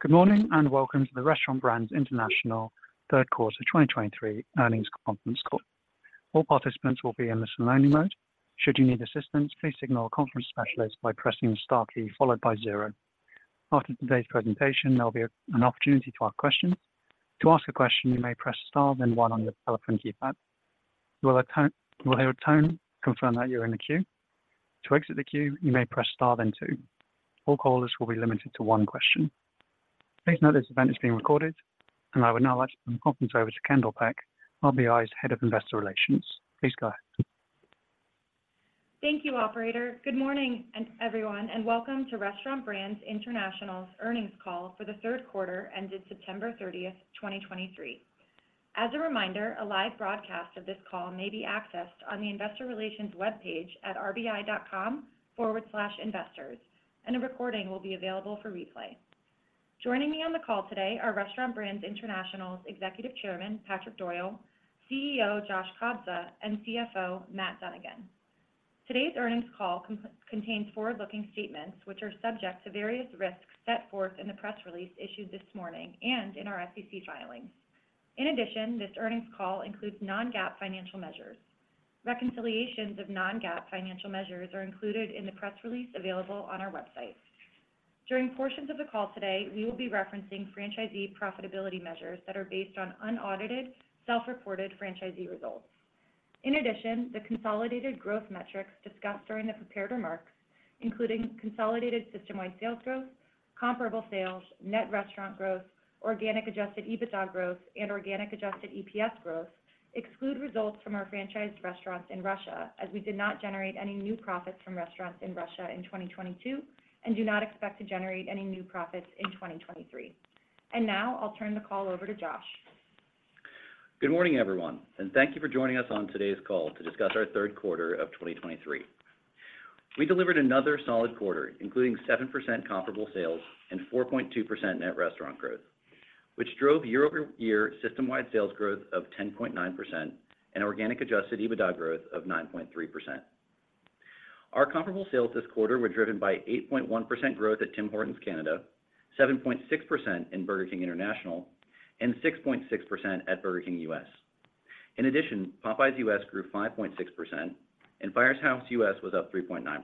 Good morning, and welcome to the Restaurant Brands International Q3 2023 earnings conference call. All participants will be in listen-only mode. Should you need assistance, please signal a conference specialist by pressing the star key followed by zero. After today's presentation, there'll be an opportunity to ask questions. To ask a question, you may press star, then one on your telephone keypad. You will hear a tone to confirm that you're in the queue. To exit the queue, you may press star, then two. All callers will be limited to one question. Please note this event is being recorded, and I would now like to turn the conference over to Kendall Peck, RBI's Head of Investor Relations. Please go ahead. Thank you, operator. Good morning, and everyone, and welcome to Restaurant Brands International's earnings call for the Q3 ended September 30, 2023. As a reminder, a live broadcast of this call may be accessed on the investor relations webpage at rbi.com/investors, and a recording will be available for replay. Joining me on the call today are Restaurant Brands International's Executive Chairman, Patrick Doyle, CEO, Josh Kobza, and CFO, Matt Dunnigan. Today's earnings call contains forward-looking statements which are subject to various risks set forth in the press release issued this morning and in our SEC filings. In addition, this earnings call includes non-GAAP financial measures. Reconciliations of non-GAAP financial measures are included in the press release available on our website. During portions of the call today, we will be referencing franchisee profitability measures that are based on unaudited, self-reported franchisee results. In addition, the consolidated growth metrics discussed during the prepared remarks, including consolidated system-wide sales growth, comparable sales, net restaurant growth, organic adjusted EBITDA growth, and organic adjusted EPS growth, exclude results from our franchised restaurants in Russia, as we did not generate any new profits from restaurants in Russia in 2022 and do not expect to generate any new profits in 2023. Now, I'll turn the call over to Josh. Good morning, everyone, and thank you for joining us on today's call to discuss our third quarter of 2023. We delivered another solid quarter, including 7% comparable sales and 4.2% net restaurant growth, which drove year-over-year system-wide sales growth of 10.9% and organic adjusted EBITDA growth of 9.3%. Our comparable sales this quarter were driven by 8.1% growth at Tim Hortons Canada, 7.6% in Burger King International, and 6.6% at Burger King US. In addition, Popeyes US grew 5.6%, and Firehouse US was up 3.9%.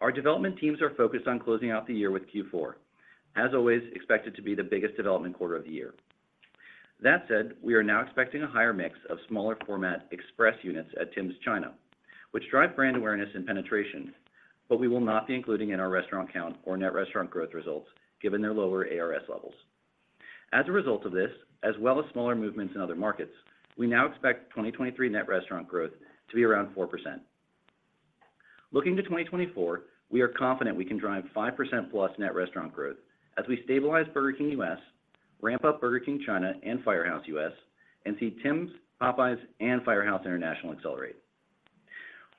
Our development teams are focused on closing out the year with Q4, as always, expected to be the biggest development quarter of the year. That said, we are now expecting a higher mix of smaller format express units at Tims China, which drive brand awareness and penetration, but we will not be including in our restaurant count or net restaurant growth results given their lower ARS levels. As a result of this, as well as smaller movements in other markets, we now expect 2023 net restaurant growth to be around 4%. Looking to 2024, we are confident we can drive 5%+ net restaurant growth as we stabilize Burger King US, ramp up Burger King China and Firehouse US, and see Tims, Popeyes, and Firehouse International accelerate.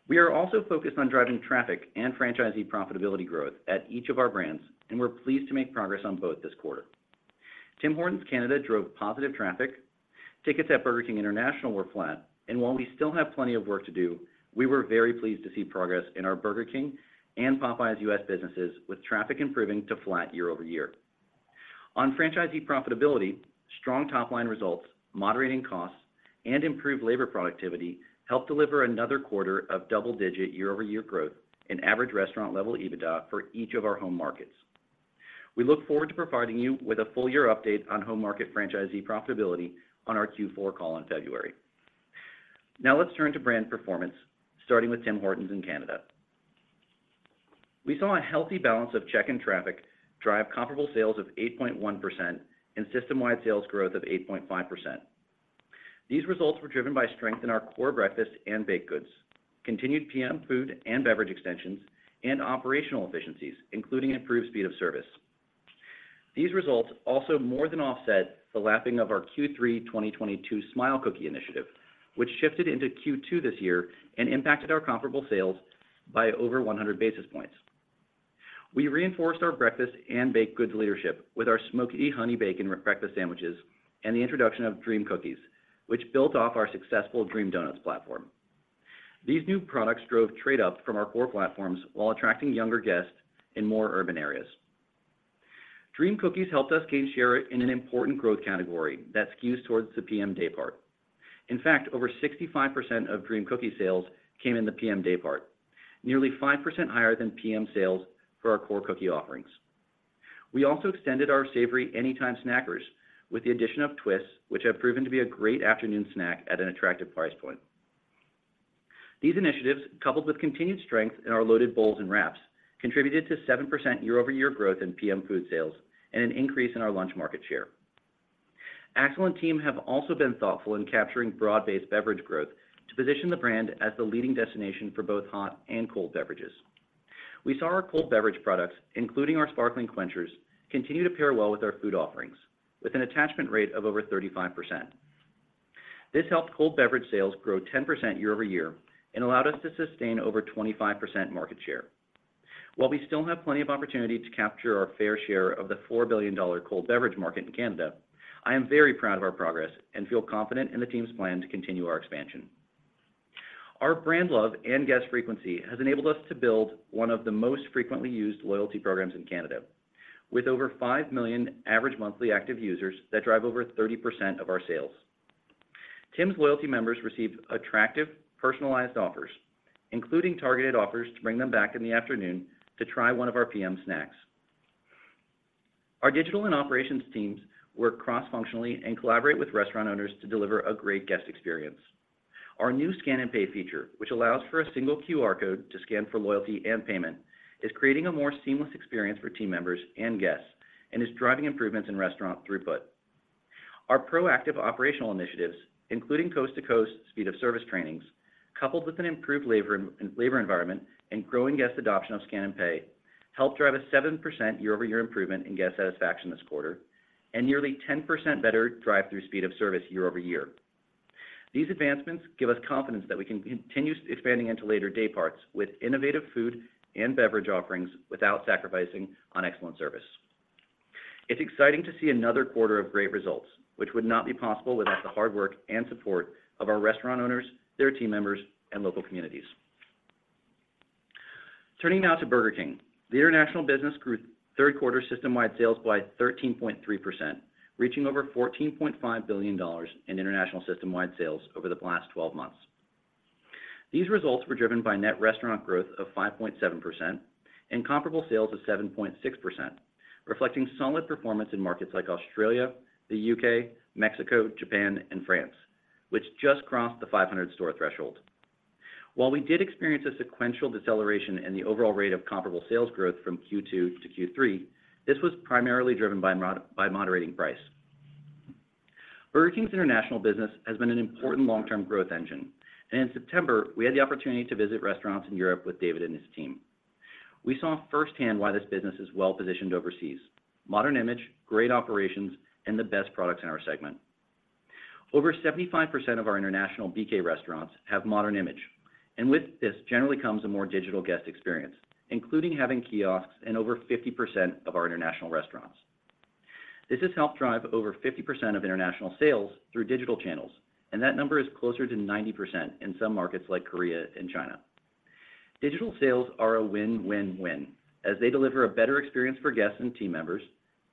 We are also focused on driving traffic and franchisee profitability growth at each of our brands, and we're pleased to make progress on both this quarter. Tim Hortons Canada drove positive traffic. Tickets at Burger King International were flat, and while we still have plenty of work to do, we were very pleased to see progress in our Burger King and Popeyes US businesses, with traffic improving to flat year-over-year. On franchisee profitability, strong top-line results, moderating costs, and improved labor productivity helped deliver another quarter of double-digit year-over-year growth in average restaurant-level EBITDA for each of our home markets. We look forward to providing you with a full year update on home market franchisee profitability on our Q4 call in February. Now, let's turn to brand performance, starting with Tim Hortons in Canada. We saw a healthy balance of check-in traffic drive comparable sales of 8.1% and system-wide sales growth of 8.5%. These results were driven by strength in our core breakfast and baked goods, continued PM food and beverage extensions, and operational efficiencies, including improved speed of service. These results also more than offset the lapping of our Q3 2022 Smile Cookie initiative, which shifted into Q2 this year and impacted our comparable sales by over 100 basis points. We reinforced our breakfast and baked goods leadership with our Smokey Honey Bacon Breakfast Sandwiches and the introduction of Dream Cookies, which built off our successful Dream Donuts platform. These new products drove trade up from our core platforms while attracting younger guests in more urban areas. Dream Cookies helped us gain share in an important growth category that skews towards the PM day part. In fact, over 65% of Dream Cookies sales came in the PM day part, nearly 5% higher than PM sales for our core cookie offerings. We also extended our savory anytime snackers with the addition of Twists, which have proven to be a great afternoon snack at an attractive price point. These initiatives, coupled with continued strength in our Loaded Bowls and wraps, contributed to 7% year-over-year growth in PM food sales and an increase in our lunch market share. Axel and team have also been thoughtful in capturing broad-based beverage growth to position the brand as the leading destination for both hot and cold beverages. We saw our cold beverage products, including our Sparkling Quenchers, continue to pair well with our food offerings with an attachment rate of over 35%. This helped cold beverage sales grow 10% year-over-year and allowed us to sustain over 25% market share. While we still have plenty of opportunity to capture our fair share of the $4 billion cold beverage market in Canada, I am very proud of our progress and feel confident in the team's plan to continue our expansion. Our brand love and guest frequency has enabled us to build one of the most frequently used loyalty programs in Canada, with over 5 million average monthly active users that drive over 30% of our sales. Tims loyalty members receive attractive, personalized offers, including targeted offers, to bring them back in the afternoon to try one of our PM snacks. Our digital and operations teams work cross-functionally and collaborate with restaurant owners to deliver a great guest experience. Our new scan & pay feature, which allows for a single QR code to scan for loyalty and payment, is creating a more seamless experience for team members and guests, and is driving improvements in restaurant throughput. Our proactive operational initiatives, including coast-to-coast speed of service trainings, coupled with an improved labor environment and growing guest adoption of scan & pay, helped drive a 7% year-over-year improvement in guest satisfaction this quarter, and nearly 10% better drive-through speed of service year-over-year. These advancements give us confidence that we can continue expanding into later day parts with innovative food and beverage offerings without sacrificing on excellent service. It's exciting to see another quarter of great results, which would not be possible without the hard work and support of our restaurant owners, their team members, and local communities. Turning now to Burger King. The international business grew Q3 system-wide sales by 13.3%, reaching over $14.5 billion in international system-wide sales over the last 12 months. These results were driven by net restaurant growth of 5.7% and comparable sales of 7.6%, reflecting solid performance in markets like Australia, the U.K., Mexico, Japan, and France, which just crossed the 500-store threshold. While we did experience a sequential deceleration in the overall rate of comparable sales growth from Q2 to Q3, this was primarily driven by moderating price. Burger King's international business has been an important long-term growth engine, and in September, we had the opportunity to visit restaurants in Europe with David and his team. We saw firsthand why this business is well-positioned overseas: modern image, great operations, and the best products in our segment. Over 75% of our international BK restaurants have modern image, and with this, generally comes a more digital guest experience, including having kiosks in over 50% of our international restaurants. This has helped drive over 50% of international sales through digital channels, and that number is closer to 90% in some markets like Korea and China. Digital sales are a win, win, win, as they deliver a better experience for guests and team members,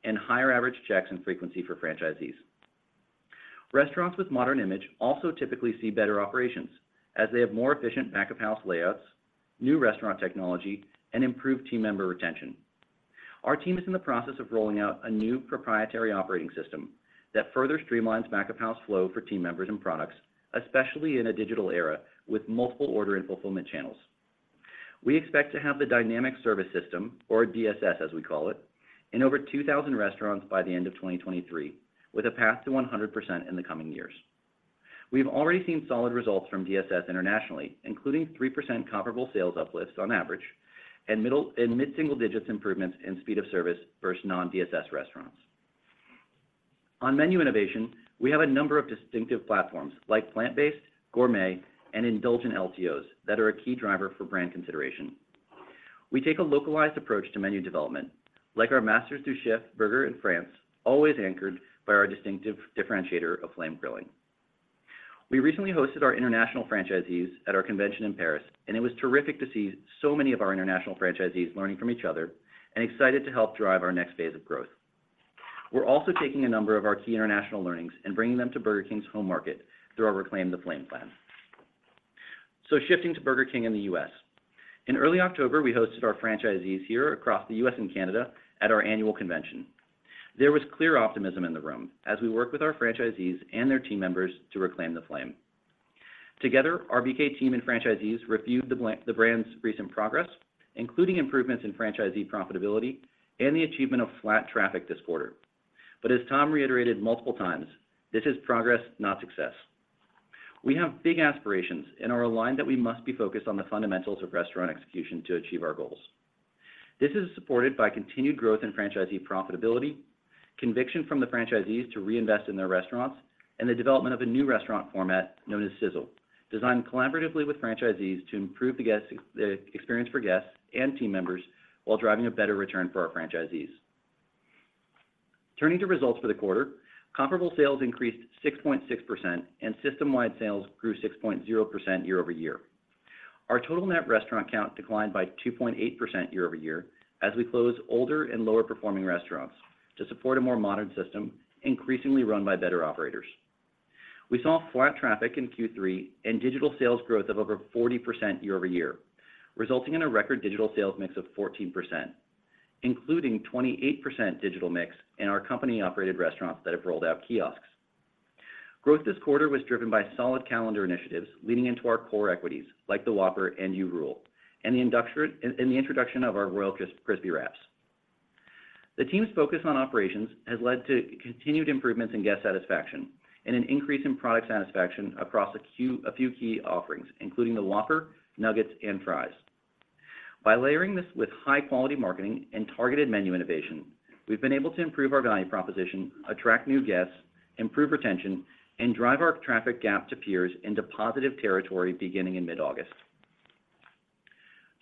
and higher average checks and frequency for franchisees. Restaurants with modern image also typically see better operations as they have more efficient back-of-house layouts, new restaurant technology, and improved team member retention. Our team is in the process of rolling out a new proprietary operating system that further streamlines back-of-house flow for team members and products, especially in a digital era with multiple order and fulfillment channels. We expect to have the Dynamic Service System, or DSS, as we call it, in over 2,000 restaurants by the end of 2023, with a path to 100% in the coming years. We've already seen solid results from DSS internationally, including 3% comparable sales uplifts on average, and mid-single digits improvements in speed of service versus non-DSS restaurants. On menu innovation, we have a number of distinctive platforms like plant-based, gourmet, and indulgent LTOs that are a key driver for brand consideration. We take a localized approach to menu development, like our Masters du Chef Burger in France, always anchored by our distinctive differentiator of flame grilling. We recently hosted our international franchisees at our convention in Paris, and it was terrific to see so many of our international franchisees learning from each other and excited to help drive our next phase of growth. We're also taking a number of our key international learnings and bringing them to Burger King's home market through our Reclaim the Flame plan. So shifting to Burger King in the U.S. In early October, we hosted our franchisees here across the U.S. and Canada at our annual convention. There was clear optimism in the room as we worked with our franchisees and their team members to Reclaim the Flame. Together, our BK team and franchisees reviewed the brand's recent progress, including improvements in franchisee profitability and the achievement of flat traffic this quarter. But as Tom reiterated multiple times, this is progress, not success. We have big aspirations and are aligned that we must be focused on the fundamentals of restaurant execution to achieve our goals. This is supported by continued growth in franchisee profitability, conviction from the franchisees to reinvest in their restaurants, and the development of a new restaurant format known as Sizzle, designed collaboratively with franchisees to improve the guest experience for guests and team members while driving a better return for our franchisees. Turning to results for the quarter, comparable sales increased 6.6%, and system-wide sales grew 6.0% year-over-year. Our total net restaurant count declined by 2.8% year-over-year, as we close older and lower-performing restaurants to support a more modern system, increasingly run by better operators. We saw flat traffic in Q3 and digital sales growth of over 40% year-over-year, resulting in a record digital sales mix of 14%, including 28% digital mix in our company-operated restaurants that have rolled out kiosks. Growth this quarter was driven by solid calendar initiatives, leading into our core equities, like the Whopper and You Rule, and the introduction of our Royal Crispy Wraps. The team's focus on operations has led to continued improvements in guest satisfaction and an increase in product satisfaction across a few key offerings, including the Whopper, nuggets, and fries. By layering this with high-quality marketing and targeted menu innovation, we've been able to improve our value proposition, attract new guests, improve retention, and drive our traffic gap to peers into positive territory beginning in mid-August.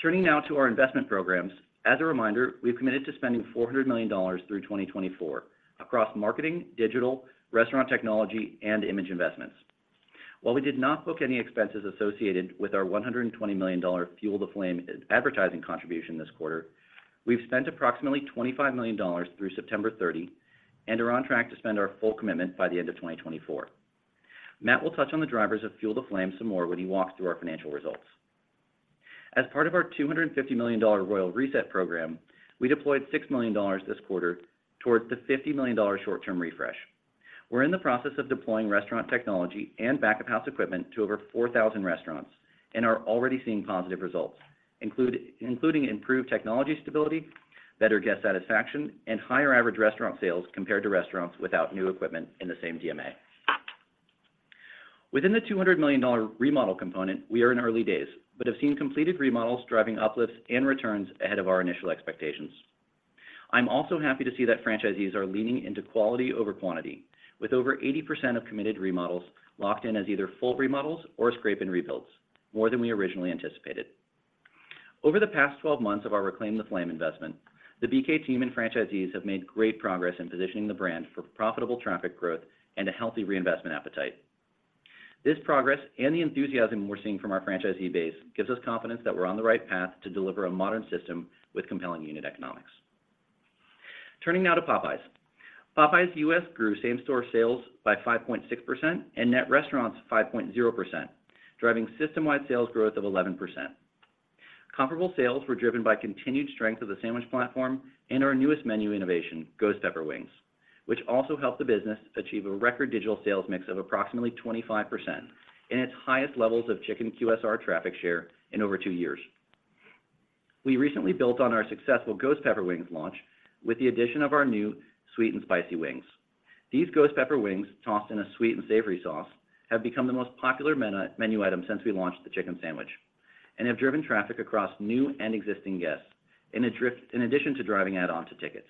Turning now to our investment programs. As a reminder, we've committed to spending $400 million through 2024 across marketing, digital, restaurant technology, and image investments. While we did not book any expenses associated with our $120 million Fuel the Flame advertising contribution this quarter, we've spent approximately $25 million through September 30, and are on track to spend our full commitment by the end of 2024. Matt will touch on the drivers of Fuel the Flame some more when he walks through our financial results. As part of our $250 million Royal Reset program, we deployed $6 million this quarter towards the $50 million short-term refresh. We're in the process of deploying restaurant technology and back-of-house equipment to over 4,000 restaurants, and are already seeing positive results, including improved technology stability, better guest satisfaction, and higher average restaurant sales compared to restaurants without new equipment in the same DMA. Within the $200 million remodel component, we are in early days, but have seen completed remodels driving uplifts and returns ahead of our initial expectations. I'm also happy to see that franchisees are leaning into quality over quantity, with over 80% of committed remodels locked in as either full remodels or scrape and rebuilds, more than we originally anticipated. Over the past 12 months of our Reclaim the Flame investment, the BK team and franchisees have made great progress in positioning the brand for profitable traffic growth and a healthy reinvestment appetite. This progress and the enthusiasm we're seeing from our franchisee base gives us confidence that we're on the right path to deliver a modern system with compelling unit economics. Turning now to Popeyes. Popeyes U.S. grew same-store sales by 5.6% and net restaurants 5.0%, driving system-wide sales growth of 11%. Comparable sales were driven by continued strength of the sandwich platform and our newest menu innovation, Ghost Pepper Wings, which also helped the business achieve a record digital sales mix of approximately 25%, and its highest levels of chicken QSR traffic share in over 2 years. We recently built on our successful Ghost Pepper Wings launch with the addition of our new Sweet 'N Spicy wings. These Ghost Pepper Wings, tossed in a sweet and savory sauce, have become the most popular menu item since we launched the chicken sandwich, and have driven traffic across new and existing guests, in addition to driving add-on to tickets.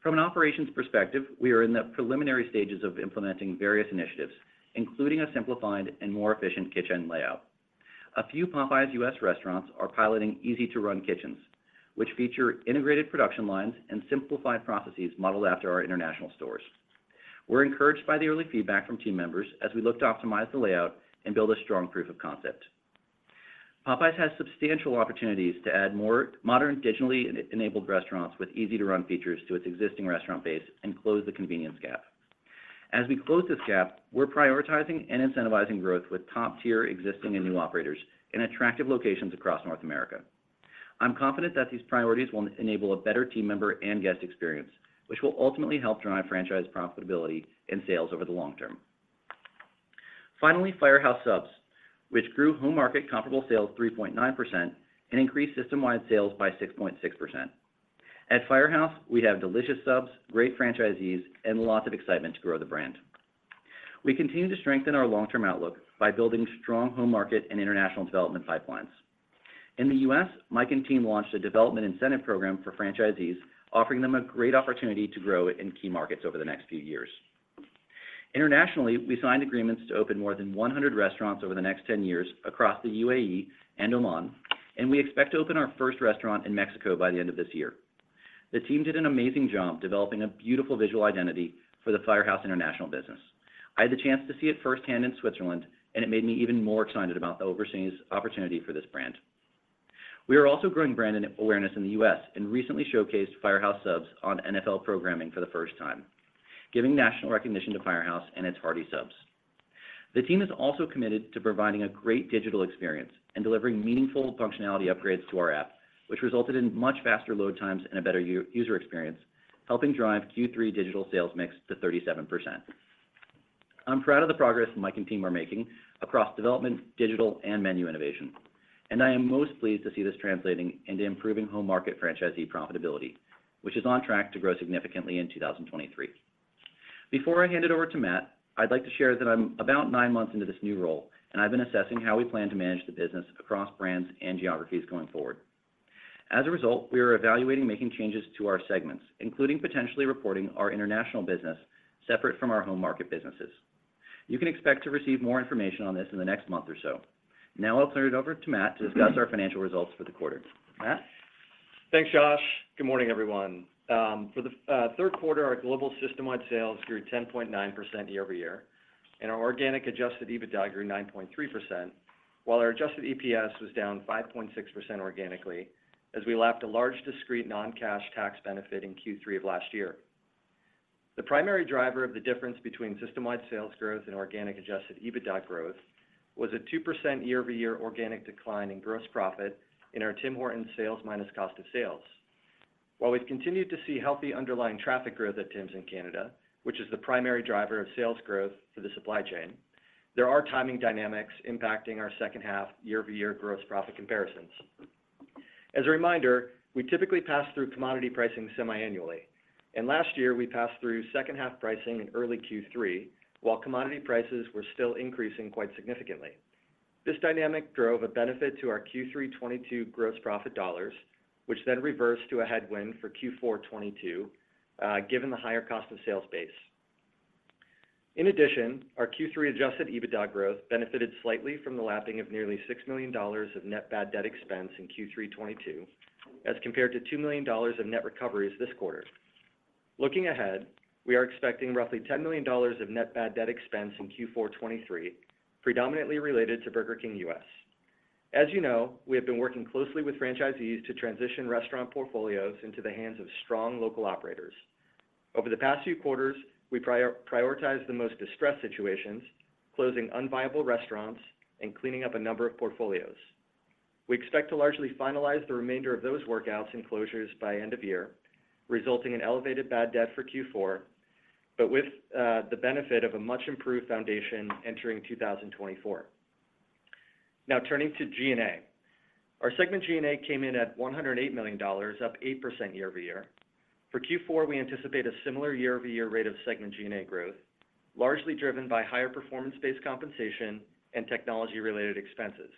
From an operations perspective, we are in the preliminary stages of implementing various initiatives, including a simplified and more efficient kitchen layout. A few Popeyes U.S. restaurants are piloting Easy-to-Run Kitchens, which feature integrated production lines and simplified processes modeled after our international stores. We're encouraged by the early feedback from team members as we look to optimize the layout and build a strong proof of concept. Popeyes has substantial opportunities to add more modern, digitally enabled restaurants with easy-to-run features to its existing restaurant base and close the convenience gap. As we close this gap, we're prioritizing and incentivizing growth with top-tier existing and new operators in attractive locations across North America. I'm confident that these priorities will enable a better team member and guest experience, which will ultimately help drive franchise profitability and sales over the long term. Finally, Firehouse Subs, which grew home market comparable sales 3.9% and increased system-wide sales by 6.6%. At Firehouse, we have delicious subs, great franchisees, and lots of excitement to grow the brand. We continue to strengthen our long-term outlook by building strong home market and international development pipelines. In the U.S., Mike and team launched a development incentive program for franchisees, offering them a great opportunity to grow in key markets over the next few years. Internationally, we signed agreements to open more than 100 restaurants over the next 10 years across the UAE and Oman, and we expect to open our first restaurant in Mexico by the end of this year. The team did an amazing job developing a beautiful visual identity for the Firehouse International business. I had the chance to see it firsthand in Switzerland, and it made me even more excited about the overseas opportunity for this brand. We are also growing brand and awareness in the U.S., and recently showcased Firehouse Subs on NFL programming for the first time, giving national recognition to Firehouse and its hearty subs. The team is also committed to providing a great digital experience and delivering meaningful functionality upgrades to our app, which resulted in much faster load times and a better user experience, helping drive Q3 digital sales mix to 37%. I'm proud of the progress Mike and team are making across development, digital, and menu innovation, and I am most pleased to see this translating into improving home market franchisee profitability, which is on track to grow significantly in 2023. Before I hand it over to Matt, I'd like to share that I'm about nine months into this new role, and I've been assessing how we plan to manage the business across brands and geographies going forward. As a result, we are evaluating making changes to our segments, including potentially reporting our international business separate from our home market businesses. You can expect to receive more information on this in the next month or so. Now I'll turn it over to Matt to discuss our financial results for the quarter. Matt? Thanks, Josh. Good morning, everyone. For the third quarter, our global system-wide sales grew 10.9% year-over-year, and our organic adjusted EBITDA grew 9.3%, while our adjusted EPS was down 5.6% organically, as we lapped a large, discrete non-cash tax benefit in Q3 of last year. The primary driver of the difference between system-wide sales growth and organic adjusted EBITDA growth was a 2% year-over-year organic decline in gross profit in our Tim Hortons sales minus cost of sales. While we've continued to see healthy underlying traffic growth at Tims in Canada, which is the primary driver of sales growth for the supply chain, there are timing dynamics impacting our second-half year-over-year gross profit comparisons. As a reminder, we typically pass through commodity pricing semi-annually, and last year, we passed through second half pricing in early Q3, while commodity prices were still increasing quite significantly. This dynamic drove a benefit to our Q3 2022 gross profit dollars, which then reversed to a headwind for Q4 2022, given the higher cost of sales base. In addition, our Q3 adjusted EBITDA growth benefited slightly from the lapping of nearly $6 million of net bad debt expense in Q3 2022, as compared to $2 million of net recoveries this quarter. Looking ahead, we are expecting roughly $10 million of net bad debt expense in Q4 2023, predominantly related to Burger King US. As you know, we have been working closely with franchisees to transition restaurant portfolios into the hands of strong local operators. Over the past few quarters, we prioritized the most distressed situations, closing unviable restaurants and cleaning up a number of portfolios. We expect to largely finalize the remainder of those workouts and closures by end of year, resulting in elevated bad debt for Q4, but with the benefit of a much improved foundation entering 2024. Now, turning to G&A. Our segment G&A came in at $108 million, up 8% year-over-year. For Q4, we anticipate a similar year-over-year rate of segment G&A growth, largely driven by higher performance-based compensation and technology-related expenses.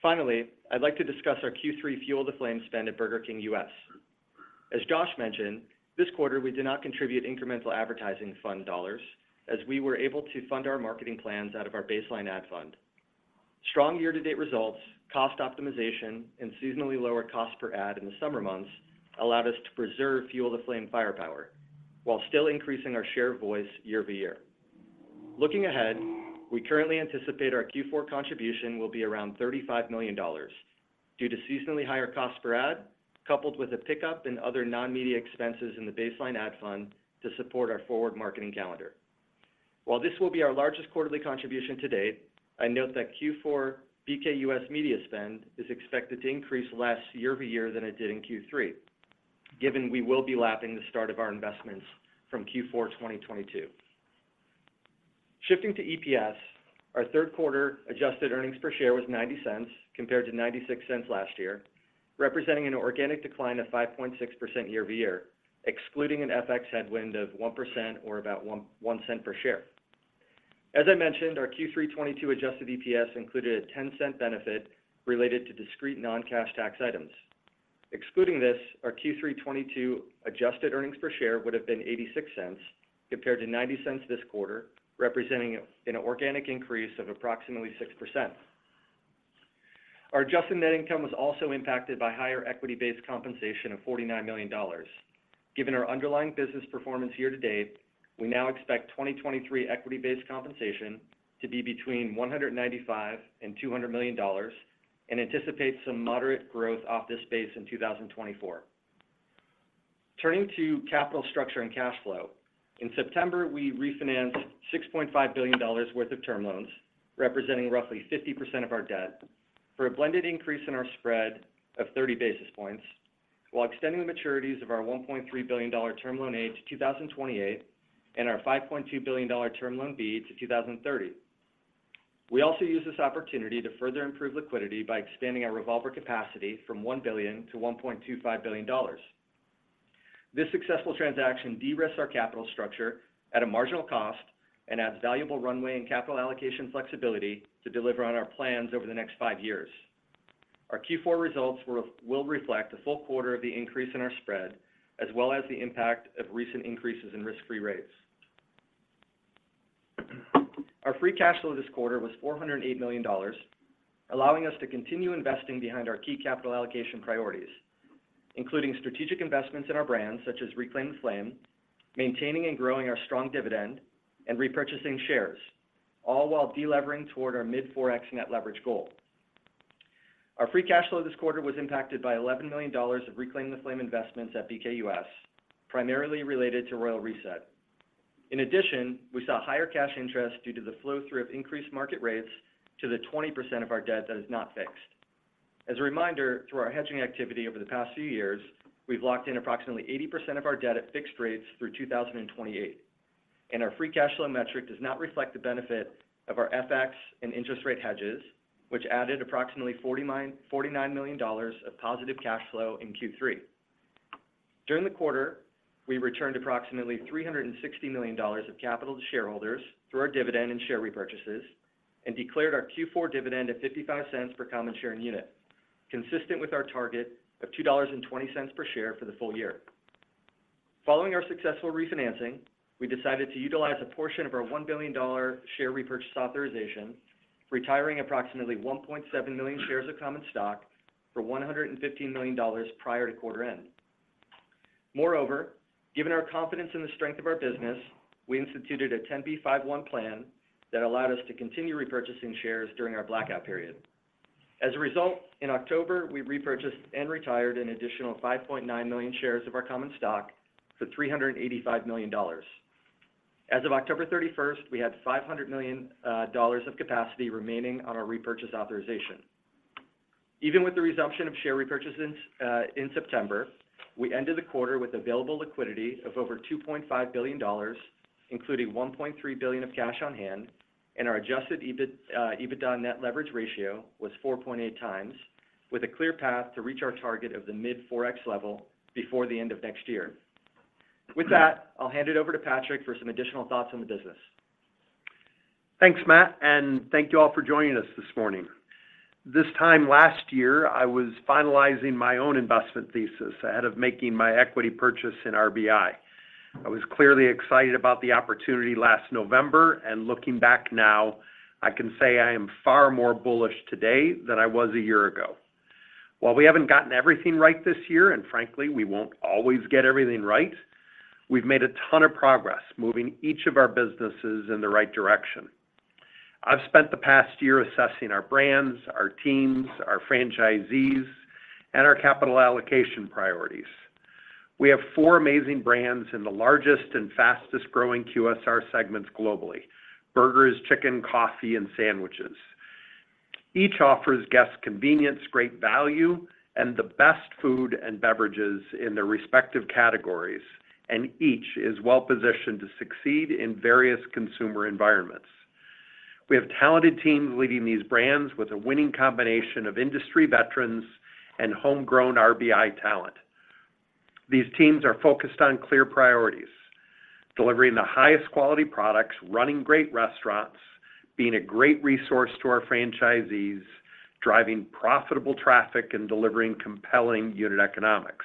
Finally, I'd like to discuss our Q3 Fuel the Flame spend at Burger King US. As Josh mentioned, this quarter, we did not contribute incremental advertising fund dollars, as we were able to fund our marketing plans out of our baseline ad fund. Strong year-to-date results, cost optimization, and seasonally lower cost per ad in the summer months allowed us to preserve Fuel the Flame firepower, while still increasing our share of voice year-over-year. Looking ahead, we currently anticipate our Q4 contribution will be around $35 million due to seasonally higher cost per ad, coupled with a pickup in other non-media expenses in the baseline ad fund to support our forward marketing calendar. While this will be our largest quarterly contribution to date, I note that Q4 BK US media spend is expected to increase less year-over-year than it did in Q3, given we will be lapping the start of our investments from Q4 2022. Shifting to EPS, our third quarter adjusted earnings per share was $0.90, compared to $0.96 last year, representing an organic decline of 5.6% year-over-year, excluding an FX headwind of 1% or about $0.01 per share. As I mentioned, our Q3 2022 adjusted EPS included a $0.10 benefit related to discrete non-cash tax items. Excluding this, our Q3 2022 adjusted earnings per share would have been $0.86, compared to $0.90 this quarter, representing an organic increase of approximately 6%. Our adjusted net income was also impacted by higher equity-based compensation of $49 million. Given our underlying business performance year to date, we now expect 2023 equity-based compensation to be between $195 million and $200 million, and anticipate some moderate growth off this base in 2024. Turning to capital structure and cash flow. In September, we refinanced $6.5 billion worth of term loans, representing roughly 50% of our debt, for a blended increase in our spread of 30 basis points, while extending the maturities of our $1.3 billion Term Loan A to 2028, and our $5.2 billion Term Loan B to 2030. We also used this opportunity to further improve liquidity by extending our revolver capacity from $1 billion to $1.25 billion. This successful transaction de-risks our capital structure at a marginal cost and adds valuable runway and capital allocation flexibility to deliver on our plans over the next five years. Our Q4 results will reflect a full quarter of the increase in our spread, as well as the impact of recent increases in risk-free rates. Our Free Cash Flow this quarter was $408 million, allowing us to continue investing behind our key capital allocation priorities, including strategic investments in our brands, such as Reclaim the Flame, maintaining and growing our strong dividend, and repurchasing shares, all while delevering toward our mid-4x net leverage goal. Our Free Cash Flow this quarter was impacted by $11 million of Reclaim the Flame investments at BK US, primarily related to Royal Reset. In addition, we saw higher cash interest due to the flow-through of increased market rates to the 20% of our debt that is not fixed. As a reminder, through our hedging activity over the past few years, we've locked in approximately 80% of our debt at fixed rates through 2028. Our free cash flow metric does not reflect the benefit of our FX and interest rate hedges, which added approximately $49 million of positive cash flow in Q3. During the quarter, we returned approximately $360 million of capital to shareholders through our dividend and share repurchases, and declared our Q4 dividend at $0.55 per common share and unit, consistent with our target of $2.20 per share for the full year. Following our successful refinancing, we decided to utilize a portion of our $1 billion share repurchase authorization, retiring approximately 1.7 million shares of common stock for $115 million prior to quarter end. Moreover, given our confidence in the strength of our business, we instituted a 10b5-1 plan that allowed us to continue repurchasing shares during our blackout period. As a result, in October, we repurchased and retired an additional 5.9 million shares of our common stock for $385 million. As of October 31st, we had $500 million of capacity remaining on our repurchase authorization. Even with the resumption of share repurchases in September, we ended the quarter with available liquidity of over $2.5 billion, including $1.3 billion of cash on hand, and our adjusted EBITDA net leverage ratio was 4.8x, with a clear path to reach our target of the mid-4x level before the end of next year. With that, I'll hand it over to Patrick for some additional thoughts on the business.... Thanks, Matt, and thank you all for joining us this morning. This time last year, I was finalizing my own investment thesis ahead of making my equity purchase in RBI. I was clearly excited about the opportunity last November, and looking back now, I can say I am far more bullish today than I was a year ago. While we haven't gotten everything right this year, and frankly, we won't always get everything right, we've made a ton of progress moving each of our businesses in the right direction. I've spent the past year assessing our brands, our teams, our franchisees, and our capital allocation priorities. We have four amazing brands in the largest and fastest growing QSR segments globally: burgers, chicken, coffee, and sandwiches. Each offers guests convenience, great value, and the best food and beverages in their respective categories, and each is well-positioned to succeed in various consumer environments. We have talented teams leading these brands with a winning combination of industry veterans and homegrown RBI talent. These teams are focused on clear priorities: delivering the highest quality products, running great restaurants, being a great resource to our franchisees, driving profitable traffic, and delivering compelling unit economics.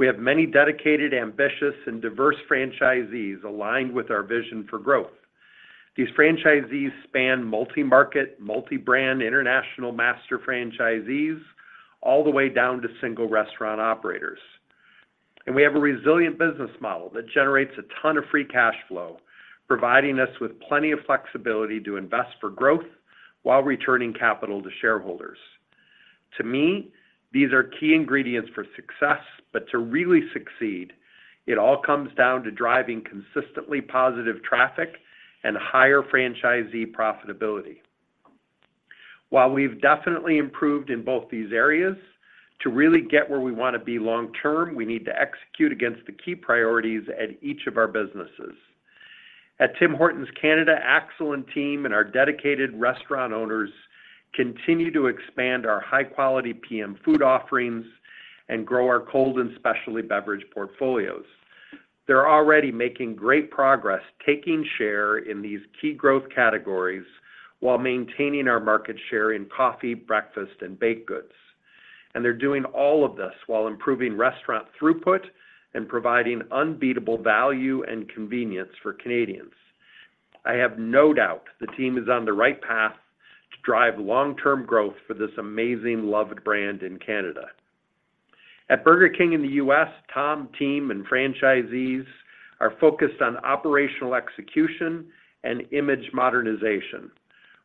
We have many dedicated, ambitious, and diverse franchisees aligned with our vision for growth. These franchisees span multi-market, multi-brand, international master franchisees, all the way down to single restaurant operators. And we have a resilient business model that generates a ton of free cash flow, providing us with plenty of flexibility to invest for growth while returning capital to shareholders. To me, these are key ingredients for success, but to really succeed, it all comes down to driving consistently positive traffic and higher franchisee profitability. While we've definitely improved in both these areas, to really get where we want to be long term, we need to execute against the key priorities at each of our businesses. At Tim Hortons Canada, Axel and team, and our dedicated restaurant owners, continue to expand our high-quality PM food offerings and grow our cold and specialty beverage portfolios. They're already making great progress, taking share in these key growth categories while maintaining our market share in coffee, breakfast, and baked goods. They're doing all of this while improving restaurant throughput and providing unbeatable value and convenience for Canadians. I have no doubt the team is on the right path to drive long-term growth for this amazing, loved brand in Canada. At Burger King in the U.S., Tom, team, and franchisees are focused on operational execution and image modernization.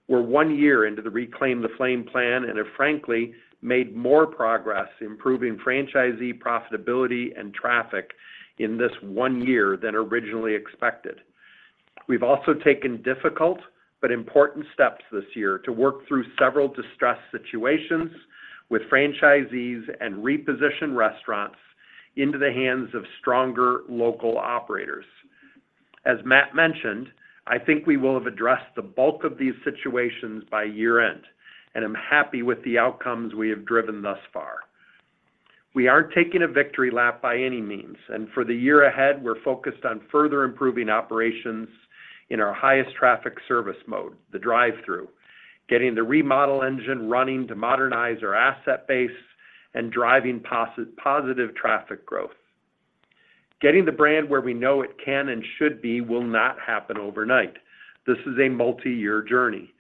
We're one year into the Reclaim the Flame plan, and have frankly, made more progress improving franchisee profitability and traffic in this one year than originally expected. We've also taken difficult but important steps this year to work through several distressed situations with franchisees and reposition restaurants into the hands of stronger local operators. As Matt mentioned, I think we will have addressed the bulk of these situations by year-end, and I'm happy with the outcomes we have driven thus far. We aren't taking a victory lap by any means, and for the year ahead, we're focused on further improving operations in our highest traffic service mode, the drive-thru, getting the remodel engine running to modernize our asset base, and driving positive traffic growth. Getting the brand where we know it can and should be will not happen overnight. This is a multi-year journey.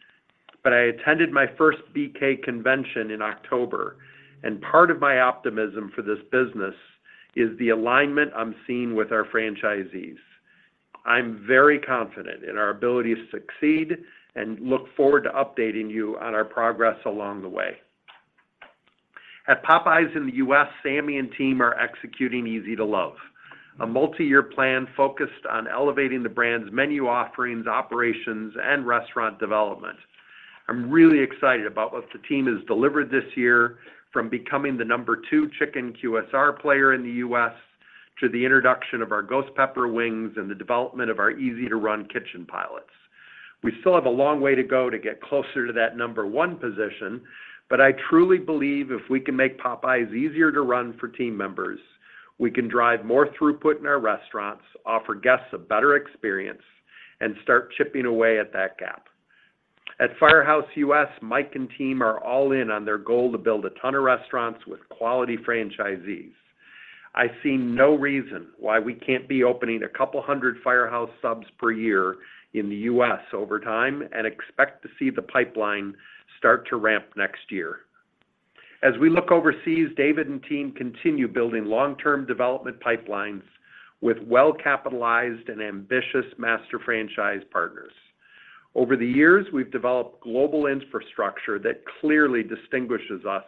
But I attended my first BK convention in October, and part of my optimism for this business is the alignment I'm seeing with our franchisees. I'm very confident in our ability to succeed and look forward to updating you on our progress along the way. At Popeyes in the U.S., Sami and team are executing Easy to Love, a multi-year plan focused on elevating the brand's menu offerings, operations, and restaurant development. I'm really excited about what the team has delivered this year, from becoming the number two chicken QSR player in the U.S., to the introduction of our Ghost Pepper wings and the development of our easy-to-run kitchen pilots. We still have a long way to go to get closer to that number one position, but I truly believe if we can make Popeyes easier to run for team members, we can drive more throughput in our restaurants, offer guests a better experience, and start chipping away at that gap. At Firehouse US, Mike and team are all in on their goal to build a ton of restaurants with quality franchisees. I see no reason why we can't be opening a couple hundred Firehouse Subs per year in the US over time, and expect to see the pipeline start to ramp next year. As we look overseas, David and team continue building long-term development pipelines with well-capitalized and ambitious master franchise partners. Over the years, we've developed global infrastructure that clearly distinguishes us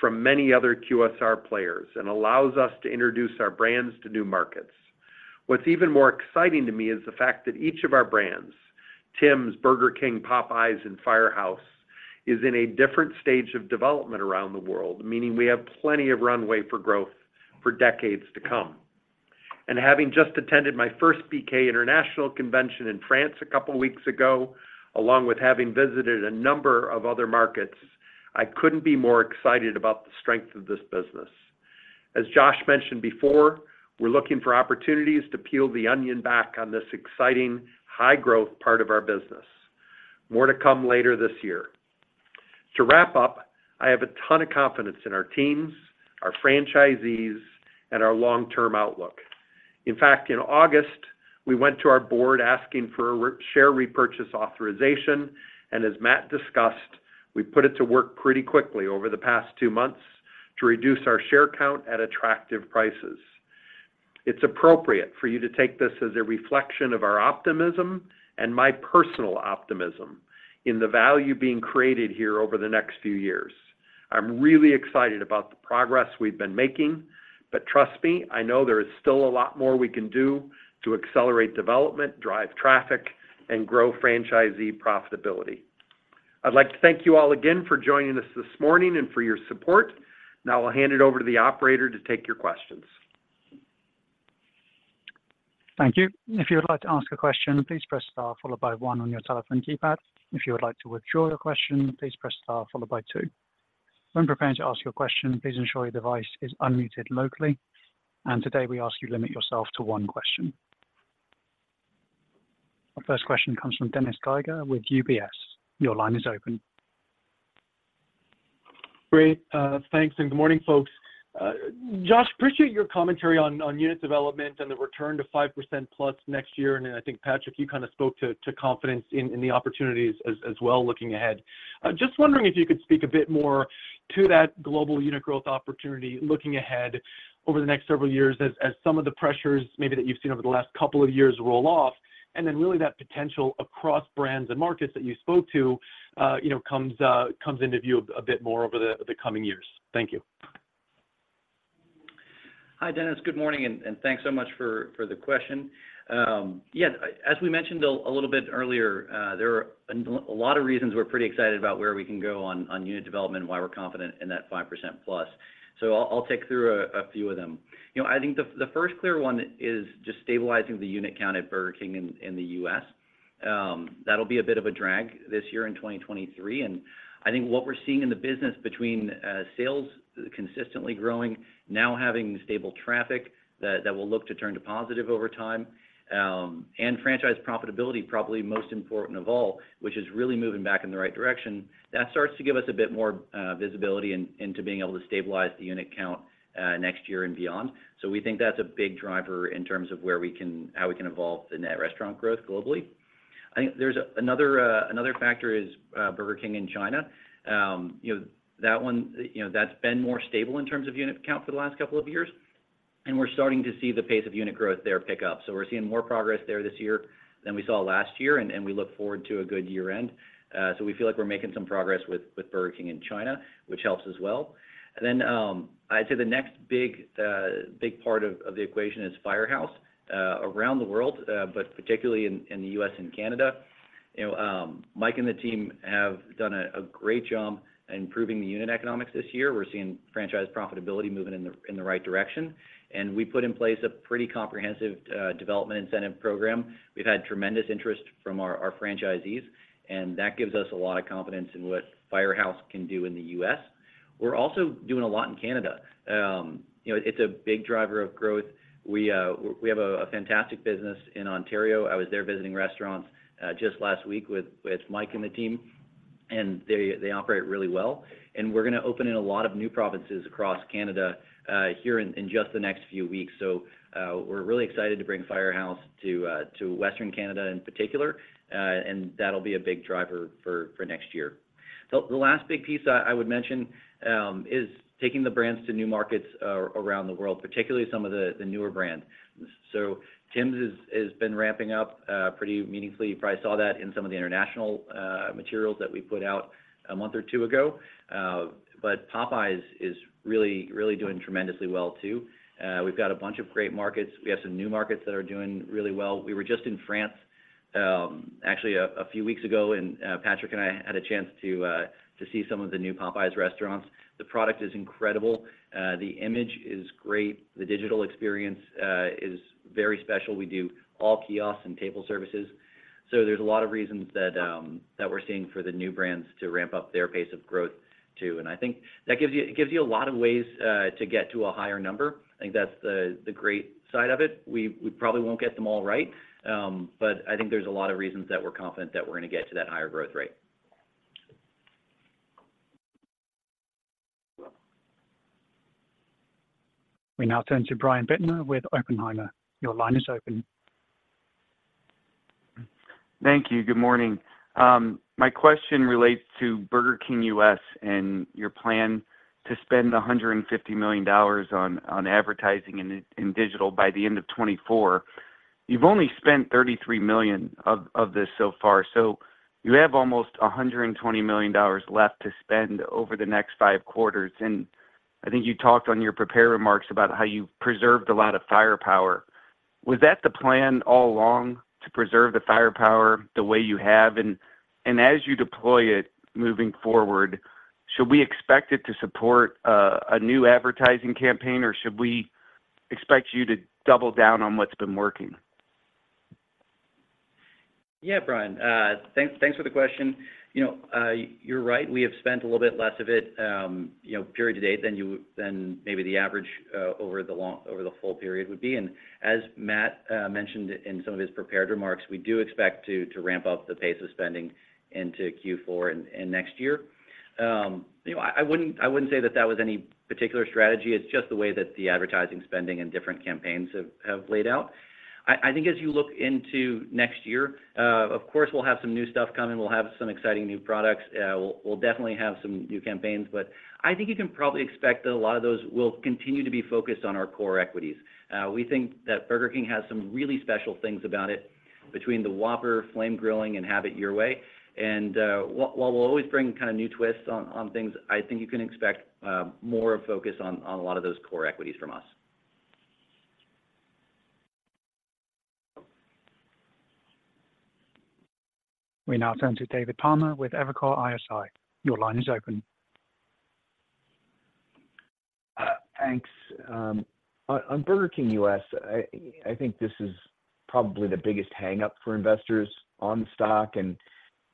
from many other QSR players and allows us to introduce our brands to new markets. What's even more exciting to me is the fact that each of our brands, Tims, Burger King, Popeyes, and Firehouse, is in a different stage of development around the world, meaning we have plenty of runway for growth for decades to come. Having just attended my first BK International Convention in France a couple of weeks ago, along with having visited a number of other markets, I couldn't be more excited about the strength of this business. As Josh mentioned before, we're looking for opportunities to peel the onion back on this exciting, high-growth part of our business. More to come later this year. To wrap up, I have a ton of confidence in our teams, our franchisees, and our long-term outlook. In fact, in August, we went to our board asking for a share repurchase authorization, and as Matt discussed, we put it to work pretty quickly over the past two months to reduce our share count at attractive prices. It's appropriate for you to take this as a reflection of our optimism, and my personal optimism, in the value being created here over the next few years. I'm really excited about the progress we've been making, but trust me, I know there is still a lot more we can do to accelerate development, drive traffic, and grow franchisee profitability. I'd like to thank you all again for joining us this morning and for your support. Now I'll hand it over to the operator to take your questions. Thank you. If you would like to ask a question, please press star followed by one on your telephone keypad. If you would like to withdraw your question, please press star followed by two. When preparing to ask your question, please ensure your device is unmuted locally, and today we ask you to limit yourself to one question. Our first question comes from Dennis Geiger with UBS. Your line is open. Great. Thanks, and good morning, folks. Josh, appreciate your commentary on unit development and the return to 5%+ next year. And then I think, Patrick, you kind of spoke to confidence in the opportunities as well looking ahead. I just wondering if you could speak a bit more to that global unit growth opportunity, looking ahead over the next several years as some of the pressures maybe that you've seen over the last couple of years roll off, and then really that potential across brands and markets that you spoke to, you know, comes into view a bit more over the coming years. Thank you. Hi, Dennis. Good morning, and thanks so much for the question. Yeah, as we mentioned a little bit earlier, there are a lot of reasons we're pretty excited about where we can go on unit development and why we're confident in that 5%+. So I'll take through a few of them. You know, I think the first clear one is just stabilizing the unit count at Burger King in the U.S. That'll be a bit of a drag this year in 2023, and I think what we're seeing in the business between sales consistently growing, now having stable traffic that will look to turn to positive over time, and franchise profitability, probably most important of all, which is really moving back in the right direction, that starts to give us a bit more visibility into being able to stabilize the unit count next year and beyond. So we think that's a big driver in terms of where we can—how we can evolve the net restaurant growth globally. I think there's another factor is Burger King in China. You know, that one, you know, that's been more stable in terms of unit count for the last couple of years, and we're starting to see the pace of unit growth there pick up. So we're seeing more progress there this year than we saw last year, and we look forward to a good year-end. So we feel like we're making some progress with Burger King in China, which helps as well. And then, I'd say the next big part of the equation is Firehouse around the world, but particularly in the US and Canada. You know, Mike and the team have done a great job improving the unit economics this year. We're seeing franchise profitability moving in the right direction, and we put in place a pretty comprehensive development incentive program. We've had tremendous interest from our franchisees, and that gives us a lot of confidence in what Firehouse can do in the U.S. We're also doing a lot in Canada. You know, it's a big driver of growth. We have a fantastic business in Ontario. I was there visiting restaurants just last week with Mike and the team, and they operate really well. We're going to open in a lot of new provinces across Canada here in just the next few weeks. So, we're really excited to bring Firehouse to Western Canada in particular, and that'll be a big driver for next year. So the last big piece I would mention is taking the brands to new markets around the world, particularly some of the newer brands. So Tims has been ramping up pretty meaningfully. You probably saw that in some of the international materials that we put out a month or two ago. But Popeyes is really, really doing tremendously well, too. We've got a bunch of great markets. We have some new markets that are doing really well. We were just in France, actually a few weeks ago, and Patrick and I had a chance to see some of the new Popeyes restaurants. The product is incredible. The image is great. The digital experience is very special. We do all kiosks and table services. So there's a lot of reasons that we're seeing for the new brands to ramp up their pace of growth, too. I think that gives you, it gives you a lot of ways to get to a higher number. I think that's the great side of it. We probably won't get them all right, but I think there's a lot of reasons that we're confident that we're going to get to that higher growth rate. We now turn to Brian Bittner with Oppenheimer. Your line is open. Thank you. Good morning. My question relates to Burger King US and your plan to spend $150 million on advertising and digital by the end of 2024. You've only spent $33 million of this so far, so you have almost $120 million left to spend over the next 5 quarters. And I think you talked on your prepared remarks about how you preserved a lot of firepower. Was that the plan all along, to preserve the firepower the way you have? And as you deploy it moving forward, should we expect it to support a new advertising campaign, or should we expect you to double down on what's been working?... Yeah, Brian, thanks, thanks for the question. You know, you're right, we have spent a little bit less of it, you know, period to date than maybe the average over the full period would be. And as Matt mentioned in some of his prepared remarks, we do expect to ramp up the pace of spending into Q4 and next year. You know, I wouldn't say that was any particular strategy. It's just the way that the advertising spending and different campaigns have laid out. I think as you look into next year, of course, we'll have some new stuff coming. We'll have some exciting new products. We'll definitely have some new campaigns, but I think you can probably expect that a lot of those will continue to be focused on our core equities. We think that Burger King has some really special things about it, between the Whopper, flame grilling, and Have It Your Way. And while we'll always bring kind of new twists on things, I think you can expect more of focus on a lot of those core equities from us. We now turn to David Palmer with Evercore ISI. Your line is open. Thanks. On Burger King US, I think this is probably the biggest hangup for investors on the stock, and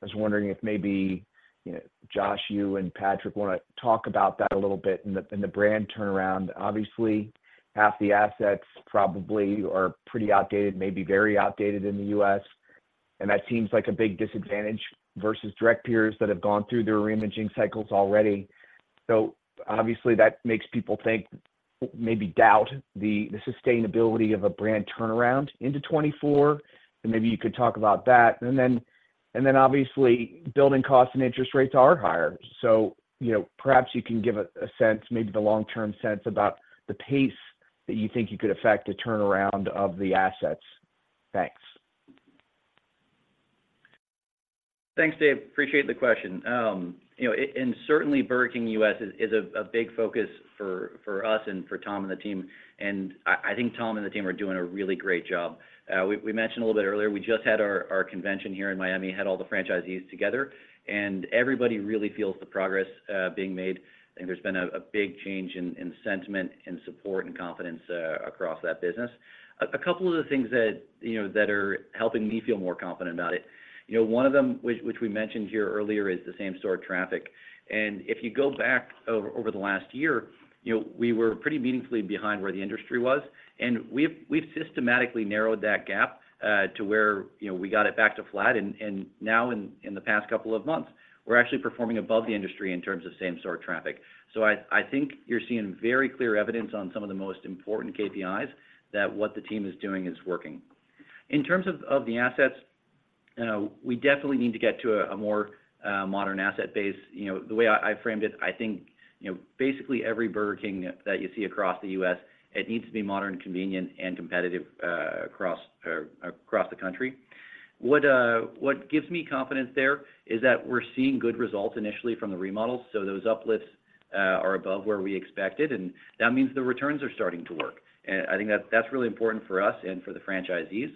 I was wondering if maybe, you know, Josh, you and Patrick wanna talk about that a little bit and the brand turnaround. Obviously, half the assets probably are pretty outdated, maybe very outdated in the US, and that seems like a big disadvantage versus direct peers that have gone through their reimaging cycles already. So obviously, that makes people think, maybe doubt the sustainability of a brand turnaround into 2024, and maybe you could talk about that. Then obviously, building costs and interest rates are higher. So, you know, perhaps you can give a sense, maybe the long-term sense about the pace that you think you could affect a turnaround of the assets. Thanks. Thanks, Dave. Appreciate the question. You know, and certainly, Burger King US is a big focus for us and for Tom and the team, and I think Tom and the team are doing a really great job. We mentioned a little bit earlier, we just had our convention here in Miami, had all the franchisees together, and everybody really feels the progress being made. I think there's been a big change in sentiment and support and confidence across that business. A couple of the things that, you know, that are helping me feel more confident about it, you know, one of them, which we mentioned here earlier, is the same store traffic. If you go back over the last year, you know, we were pretty meaningfully behind where the industry was, and we've systematically narrowed that gap to where, you know, we got it back to flat. Now in the past couple of months, we're actually performing above the industry in terms of same store traffic. I think you're seeing very clear evidence on some of the most important KPIs that what the team is doing is working. In terms of the assets, we definitely need to get to a more modern asset base. You know, the way I framed it, I think, you know, basically every Burger King that you see across the U.S., it needs to be modern, convenient, and competitive across the country. What, what gives me confidence there is that we're seeing good results initially from the remodels, so those uplifts, are above where we expected, and that means the returns are starting to work. And I think that's, that's really important for us and for the franchisees.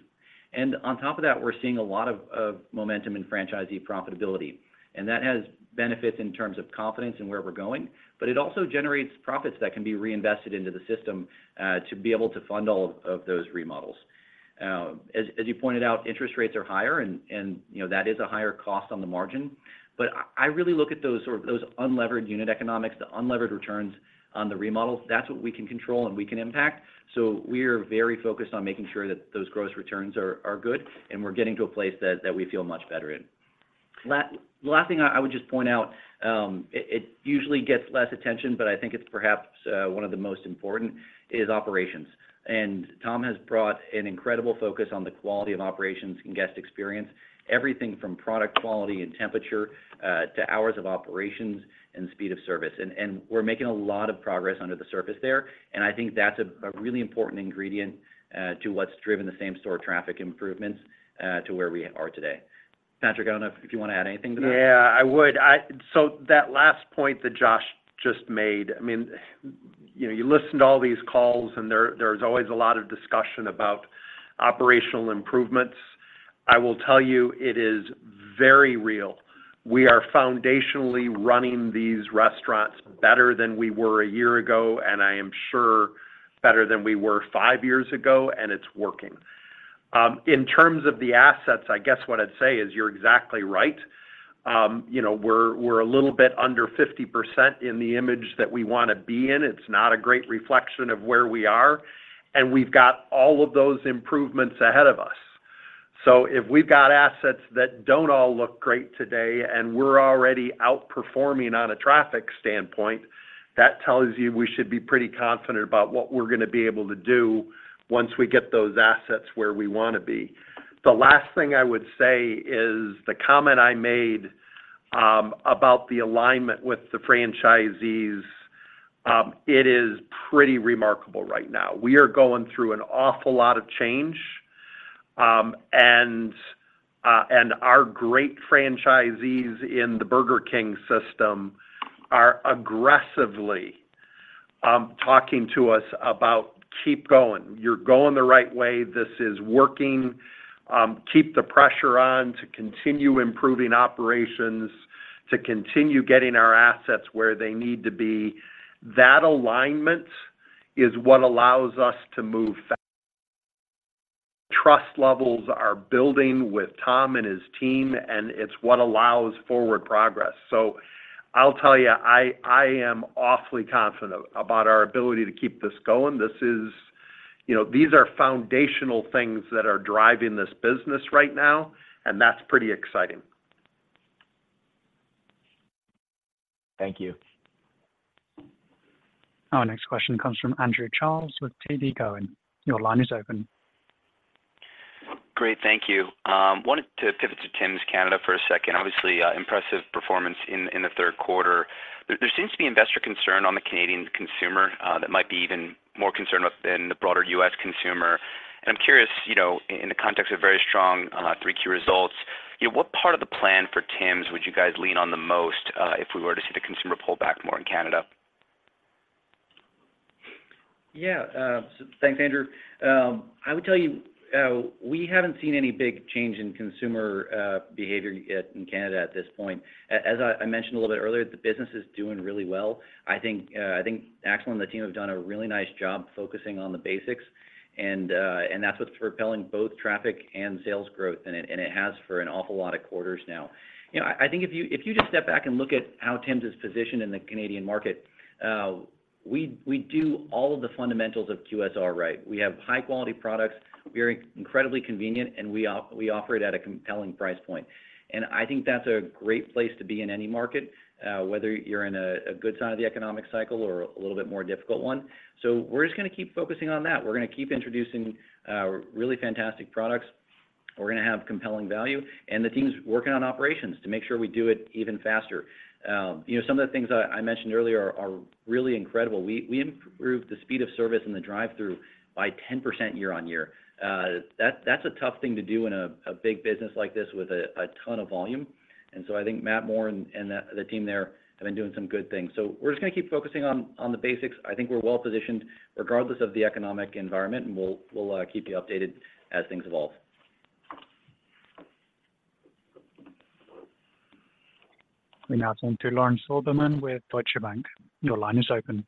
And on top of that, we're seeing a lot of, of momentum in franchisee profitability, and that has benefits in terms of confidence in where we're going, but it also generates profits that can be reinvested into the system, to be able to fund all of, of those remodels. As, as you pointed out, interest rates are higher, and, and, you know, that is a higher cost on the margin, but I, I really look at those unlevered unit economics, the unlevered returns on the remodels. That's what we can control and we can impact. So we are very focused on making sure that those gross returns are good, and we're getting to a place that we feel much better in. The last thing I would just point out, it usually gets less attention, but I think it's perhaps one of the most important is operations. And Tom has brought an incredible focus on the quality of operations and guest experience, everything from product quality and temperature to hours of operations and speed of service. And we're making a lot of progress under the surface there, and I think that's a really important ingredient to what's driven the same store traffic improvements to where we are today. Patrick, I don't know if you want to add anything to that? Yeah, I would. So that last point that Josh just made, I mean, you know, you listen to all these calls, and there, there's always a lot of discussion about operational improvements. I will tell you. It is very real. We are foundationally running these restaurants better than we were a year ago, and I am sure better than we were five years ago, and it's working. In terms of the assets, I guess what I'd say is you're exactly right. You know, we're, we're a little bit under 50% in the image that we wanna be in. It's not a great reflection of where we are, and we've got all of those improvements ahead of us. So if we've got assets that don't all look great today, and we're already outperforming on a traffic standpoint, that tells you we should be pretty confident about what we're gonna be able to do once we get those assets where we wanna be. The last thing I would say is, the comment I made about the alignment with the franchisees, it is pretty remarkable right now. We are going through an awful lot of change, and our great franchisees in the Burger King system are aggressively talking to us about, "Keep going. You're going the right way. This is working. Keep the pressure on to continue improving operations, to continue getting our assets where they need to be." That alignment-... is what allows us to move fast. Trust levels are building with Tom and his team, and it's what allows forward progress. So I'll tell you, I, I am awfully confident about our ability to keep this going. This is, you know, these are foundational things that are driving this business right now, and that's pretty exciting. Thank you. Our next question comes from Andrew Charles with TD Cowen. Your line is open. Great, thank you. Wanted to pivot to Tims Canada for a second. Obviously, impressive performance in the third quarter. There seems to be investor concern on the Canadian consumer that might be even more concerned with than the broader U.S. consumer. I'm curious, you know, in the context of very strong Q3 results, you know, what part of the plan for Tims would you guys lean on the most, if we were to see the consumer pull back more in Canada? Yeah, so thanks, Andrew. I would tell you, we haven't seen any big change in consumer behavior yet in Canada at this point. As I mentioned a little bit earlier, the business is doing really well. I think Axel and the team have done a really nice job focusing on the basics, and that's what's propelling both traffic and sales growth, and it has for an awful lot of quarters now. You know, I think if you just step back and look at how Tims is positioned in the Canadian market, we do all of the fundamentals of QSR right. We have high-quality products, we are incredibly convenient, and we offer it at a compelling price point. I think that's a great place to be in any market, whether you're in a good side of the economic cycle or a little bit more difficult one. So we're just gonna keep focusing on that. We're gonna keep introducing really fantastic products. We're gonna have compelling value, and the team's working on operations to make sure we do it even faster. You know, some of the things I mentioned earlier are really incredible. We improved the speed of service in the drive-thru by 10% year-over-year. That, that's a tough thing to do in a big business like this with a ton of volume. And so I think Matt Moore and the team there have been doing some good things. So we're just gonna keep focusing on the basics. I think we're well positioned regardless of the economic environment, and we'll keep you updated as things evolve. We now turn to Lauren Silberman with Deutsche Bank. Your line is open.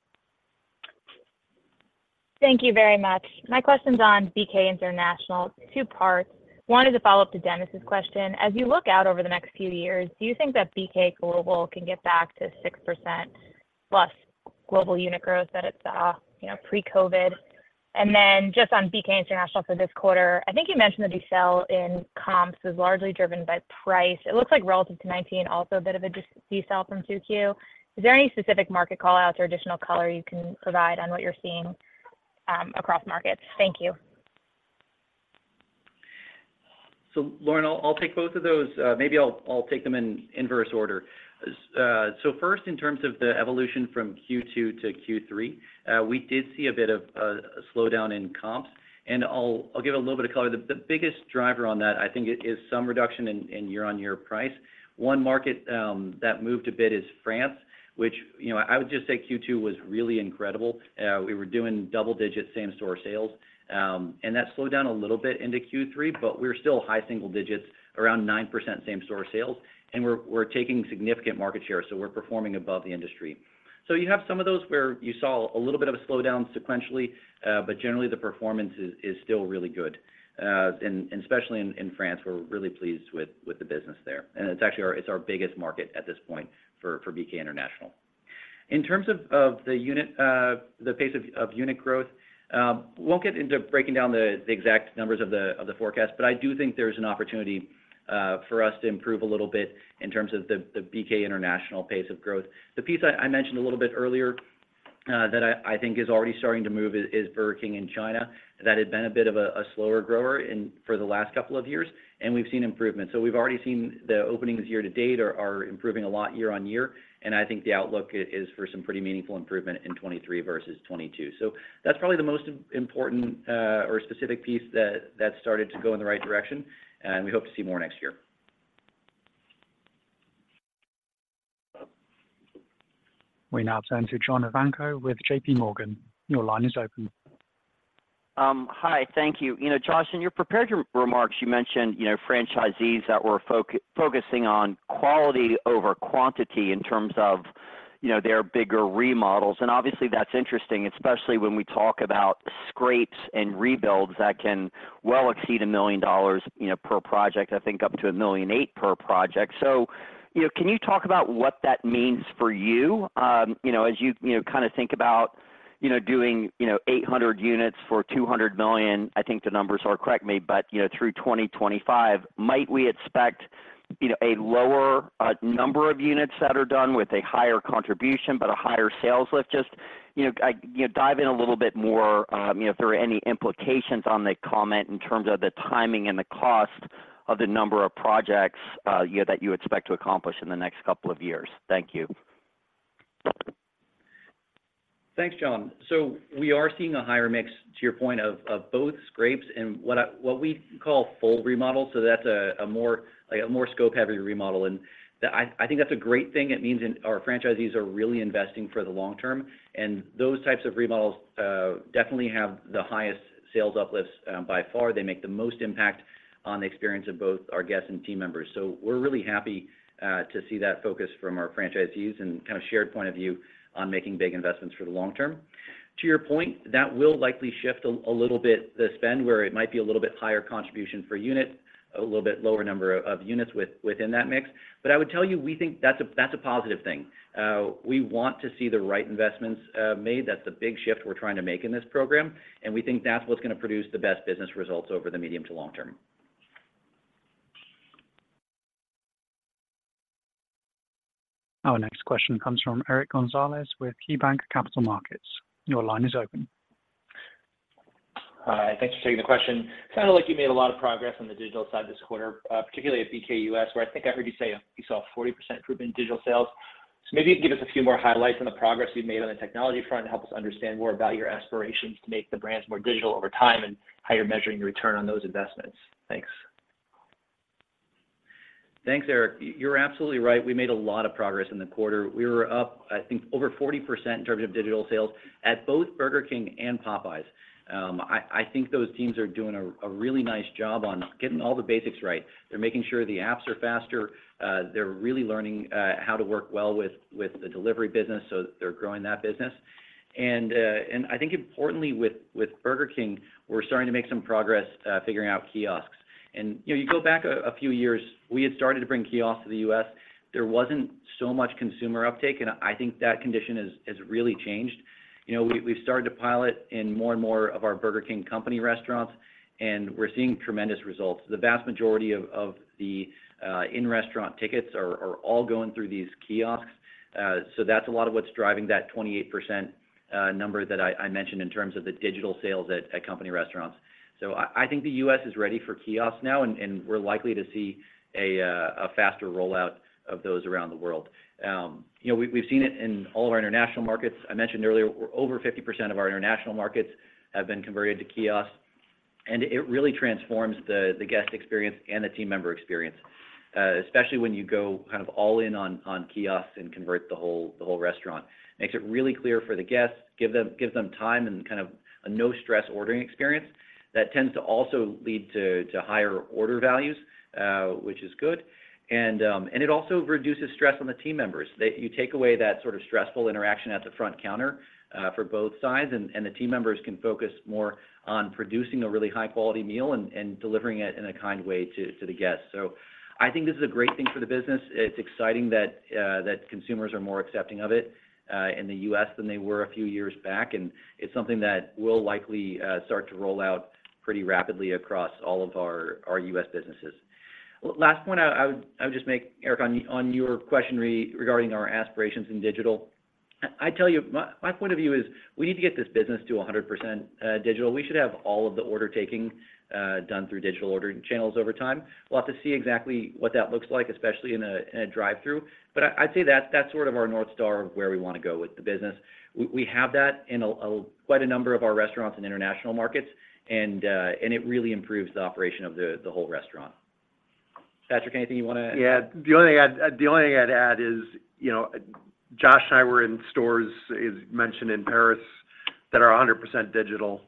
Thank you very much. My question's on BK International, two parts. One is a follow-up to Dennis's question. As you look out over the next few years, do you think that BK Global can get back to 6%+ global unit growth that it saw, you know, pre-COVID? And then just on BK International for this quarter, I think you mentioned the decline in comps was largely driven by price. It looks like relative to 2019, also a bit of a decline from 2Q. Is there any specific market call-outs or additional color you can provide on what you're seeing across markets? Thank you. So Lauren, I'll, I'll take both of those. Maybe I'll, I'll take them in inverse order. So first, in terms of the evolution from Q2 to Q3, we did see a bit of a, a slowdown in comps, and I'll, I'll give it a little bit of color. The, the biggest driver on that, I think, is some reduction in, in year-on-year price. One market, that moved a bit is France, which, you know, I would just say Q2 was really incredible. We were doing double digits, same-store sales, and that slowed down a little bit into Q3, but we're still high single digits, around 9% same-store sales, and we're, we're taking significant market share, so we're performing above the industry. So you have some of those where you saw a little bit of a slowdown sequentially, but generally, the performance is, is still really good. And, and especially in, in France, we're really pleased with, with the business there. And it's actually our--it's our biggest market at this point for, for BK International. In terms of, of the unit, the pace of, of unit growth, won't get into breaking down the, the exact numbers of the, of the forecast, but I do think there's an opportunity, for us to improve a little bit in terms of the, the BK International pace of growth. The piece I, I mentioned a little bit earlier, that I, I think is already starting to move is, is Burger King in China. That had been a bit of a slower grower in for the last couple of years, and we've seen improvement. So we've already seen the openings year to date are improving a lot year-on-year, and I think the outlook is for some pretty meaningful improvement in 2023 versus 2022. So that's probably the most important or specific piece that started to go in the right direction, and we hope to see more next year. We now turn to John Ivankoe with J.P. Morgan. Your line is open. Hi, thank you. You know, Josh, in your prepared remarks, you mentioned, you know, franchisees that were focusing on quality over quantity in terms of, you know, their bigger remodels. And obviously, that's interesting, especially when we talk about scrape and rebuilds that can well exceed $1 million, you know, per project, I think up to $1.8 million per project. So, you know, can you talk about what that means for you? You know, as you, you know, kind of think about, you know, doing, you know, 800 units for $200 million, I think the numbers are, correct me, but, you know, through 2025, might we expect, you know, a lower number of units that are done with a higher contribution, but a higher sales lift? Just, you know, I, you know, dive in a little bit more, you know, if there are any implications on the comment in terms of the timing and the cost of the number of projects, you know, that you expect to accomplish in the next couple of years? Thank you. Thanks, John. So we are seeing a higher mix, to your point, of both scrapes and what we call full remodels, so that's a more, like, a more scope-heavy remodel. And that I think that's a great thing. It means our franchisees are really investing for the long term, and those types of remodels definitely have the highest sales uplifts. By far, they make the most impact on the experience of both our guests and team members. So we're really happy to see that focus from our franchisees and kind of shared point of view on making big investments for the long term.... To your point, that will likely shift a little bit the spend, where it might be a little bit higher contribution per unit, a little bit lower number of units within that mix. But I would tell you, we think that's a, that's a positive thing. We want to see the right investments, made. That's the big shift we're trying to make in this program, and we think that's what's gonna produce the best business results over the medium to long term. Our next question comes from Eric Gonzalez with KeyBanc Capital Markets. Your line is open. Hi, thanks for taking the question. Sounded like you made a lot of progress on the digital side this quarter, particularly at BK US, where I think I heard you say you saw a 40% improvement in digital sales. So maybe you can give us a few more highlights on the progress you've made on the technology front, and help us understand more about your aspirations to make the brands more digital over time, and how you're measuring your return on those investments. Thanks. Thanks, Eric. You're absolutely right, we made a lot of progress in the quarter. We were up, I think, over 40% in terms of digital sales at both Burger King and Popeyes. I think those teams are doing a really nice job on getting all the basics right. They're making sure the apps are faster, they're really learning, you know, how to work well with, with the delivery business, so they're growing that business. I think importantly with, with Burger King, we're starting to make some progress, figuring out kiosks. You know, you go back a few years, we had started to bring kiosks to the U.S. There wasn't so much consumer uptake, and I think that condition has really changed. You know, we've started to pilot in more and more of our Burger King company restaurants, and we're seeing tremendous results. The vast majority of the in-restaurant tickets are all going through these kiosks. So that's a lot of what's driving that 28% number that I mentioned in terms of the digital sales at company restaurants. So I think the U.S. is ready for kiosks now, and we're likely to see a faster rollout of those around the world. You know, we've seen it in all of our international markets. I mentioned earlier, we're over 50% of our international markets have been converted to kiosks, and it really transforms the guest experience and the team member experience, especially when you go kind of all in on kiosks and convert the whole restaurant. Makes it really clear for the guests, give them time and kind of a no-stress ordering experience that tends to also lead to higher order values, which is good. And it also reduces stress on the team members. You take away that sort of stressful interaction at the front counter for both sides, and the team members can focus more on producing a really high-quality meal and delivering it in a kind way to the guests. So I think this is a great thing for the business. It's exciting that that consumers are more accepting of it in the U.S. than they were a few years back, and it's something that will likely start to roll out pretty rapidly across all of our our U.S. businesses. Last point I would I would just make, Eric, on on your question regarding our aspirations in digital, I'd tell you, my my point of view is we need to get this business to 100% digital. We should have all of the order taking done through digital ordering channels over time. We'll have to see exactly what that looks like, especially in a in a drive-through, but I'd say that's that's sort of our North Star of where we want to go with the business. We have that in quite a number of our restaurants in international markets, and it really improves the operation of the whole restaurant. Patrick, anything you want to add? Yeah. The only thing I'd, the only thing I'd add is, you know, Josh and I were in stores, as mentioned in Paris, that are 100% digital,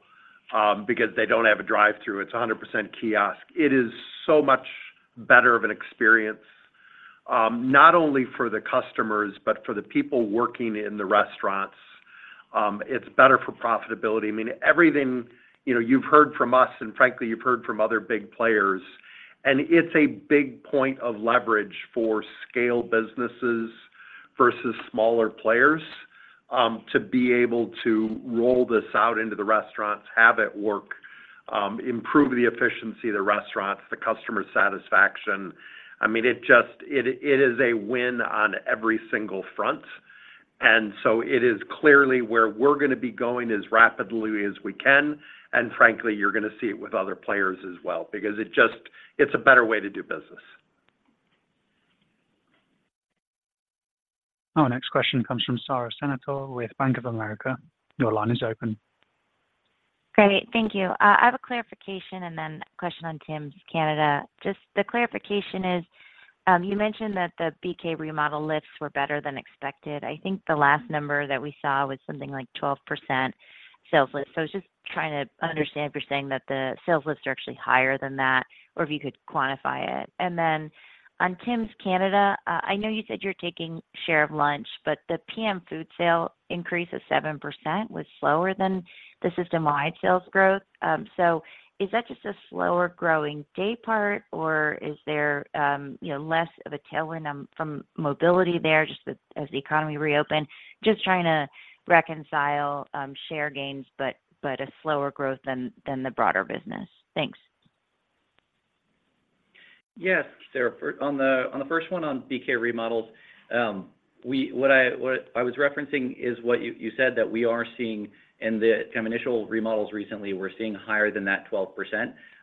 because they don't have a drive-through. It's 100% kiosk. It is so much better of an experience, not only for the customers, but for the people working in the restaurants. It's better for profitability. I mean, everything, you know, you've heard from us, and frankly, you've heard from other big players, and it's a big point of leverage for scale businesses versus smaller players, to be able to roll this out into the restaurants, have it work, improve the efficiency of the restaurants, the customer satisfaction. I mean, it just, it, it is a win on every single front. And so it is clearly where we're going to be going as rapidly as we can, and frankly, you're going to see it with other players as well, because it just, it's a better way to do business. Our next question comes from Sara Senatore with Bank of America. Your line is open. Great, thank you. I have a clarification and then a question on Tims Canada. Just the clarification is, you mentioned that the BK remodel lifts were better than expected. I think the last number that we saw was something like 12% sales lift. So just trying to understand if you're saying that the sales lifts are actually higher than that, or if you could quantify it. And then on Tims Canada, I know you said you're taking share of lunch, but the PM food sale increase of 7% was slower than the system-wide sales growth. So is that just a slower growing day part, or is there, you know, less of a tailwind, from mobility there, just as the economy reopened? Just trying to reconcile, share gains, but, but a slower growth than, than the broader business. Thanks. Yes, Sara. On the first one, on BK remodels, what I was referencing is what you said that we are seeing in the initial remodels recently, we're seeing higher than that 12%.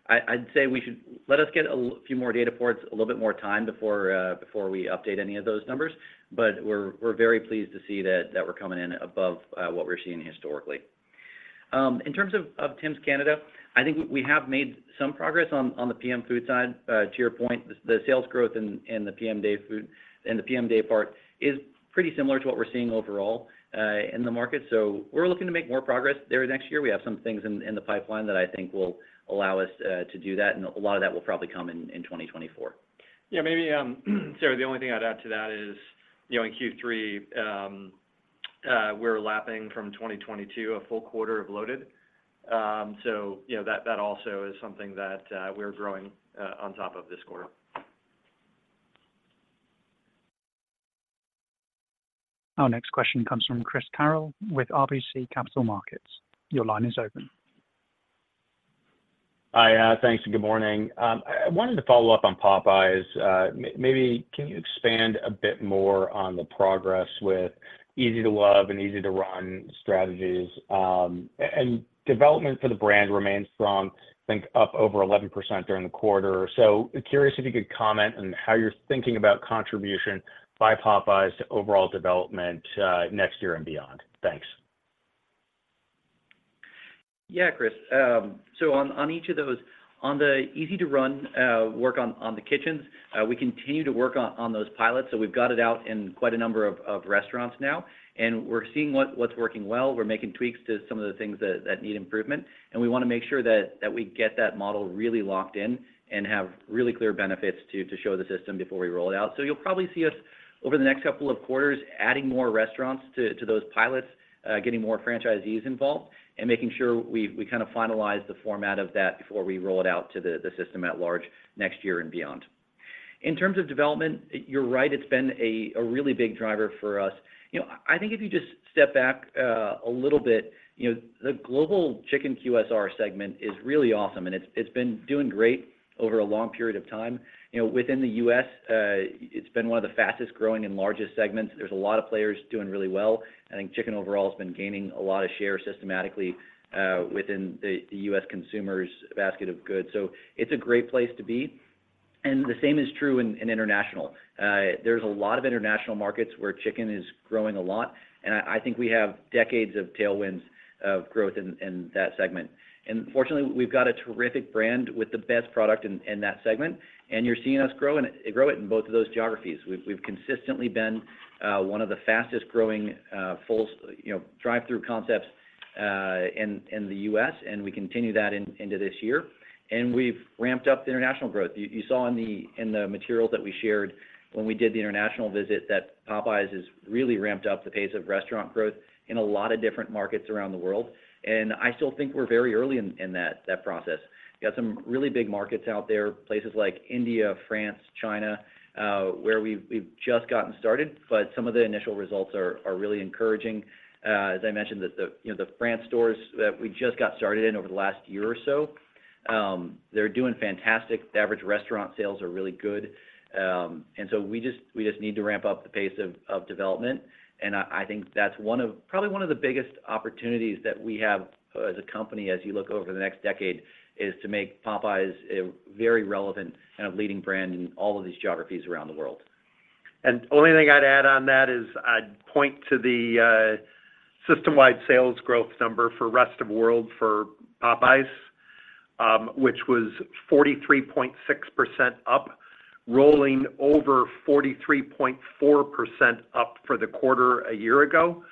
I'd say we should let us get a few more data points, a little bit more time before we update any of those numbers, but we're very pleased to see that we're coming in above what we're seeing historically. In terms of Tims Canada, I think we have made some progress on the PM food side. To your point, the sales growth in the PM day food in the PM day part is pretty similar to what we're seeing overall in the market. So we're looking to make more progress there next year. We have some things in the pipeline that I think will allow us to do that, and a lot of that will probably come in 2024. Yeah, maybe, Sara, the only thing I'd add to that is, you know, in Q3, we're lapping from 2022, a full quarter of loaded. So you know, that also is something that we're growing on top of this quarter. Our next question comes from Chris Carril with RBC Capital Markets. Your line is open. Hi, thanks, and good morning. I wanted to follow up on Popeyes. Maybe can you expand a bit more on the progress with Easy to Love and Easy to Run strategies? And development for the brand remains strong, I think up over 11% during the quarter. So curious if you could comment on how you're thinking about contribution by Popeyes to overall development next year and beyond. Thanks. Yeah, Chris. So on each of those, on the Easy-to-Run Kitchens, we continue to work on those pilots. So we've got it out in quite a number of restaurants now, and we're seeing what's working well. We're making tweaks to some of the things that need improvement, and we wanna make sure that we get that model really locked in and have really clear benefits to show the system before we roll it out. So you'll probably see us over the next couple of quarters, adding more restaurants to those pilots, getting more franchisees involved, and making sure we kinda finalize the format of that before we roll it out to the system at large next year and beyond. In terms of development, you're right, it's been a really big driver for us. You know, I think if you just step back a little bit, you know, the global chicken QSR segment is really awesome, and it's been doing great over a long period of time. You know, within the U.S., it's been one of the fastest growing and largest segments. There's a lot of players doing really well. I think chicken overall has been gaining a lot of share systematically within the U.S. consumers' basket of goods. So it's a great place to be, and the same is true in international. There's a lot of international markets where chicken is growing a lot, and I think we have decades of tailwinds of growth in that segment. Fortunately, we've got a terrific brand with the best product in that segment, and you're seeing us grow it in both of those geographies. We've consistently been one of the fastest growing full, you know, drive-thru concepts in the U.S., and we continue that into this year. We've ramped up the international growth. You saw in the materials that we shared when we did the international visit that Popeyes has really ramped up the pace of restaurant growth in a lot of different markets around the world. I still think we're very early in that process. We've got some really big markets out there, places like India, France, China, where we've just gotten started, but some of the initial results are really encouraging. As I mentioned, that the, you know, the France stores that we just got started in over the last year or so, they're doing fantastic. The average restaurant sales are really good. And so we just, we just need to ramp up the pace of, of development. And I, I think that's one of... Probably one of the biggest opportunities that we have as a company, as you look over the next decade, is to make Popeyes a very relevant and a leading brand in all of these geographies around the world. Only thing I'd add on that is, I'd point to the system-wide sales growth number for rest of world for Popeyes, which was 43.6% up, rolling over 43.4% up for the quarter a year ago.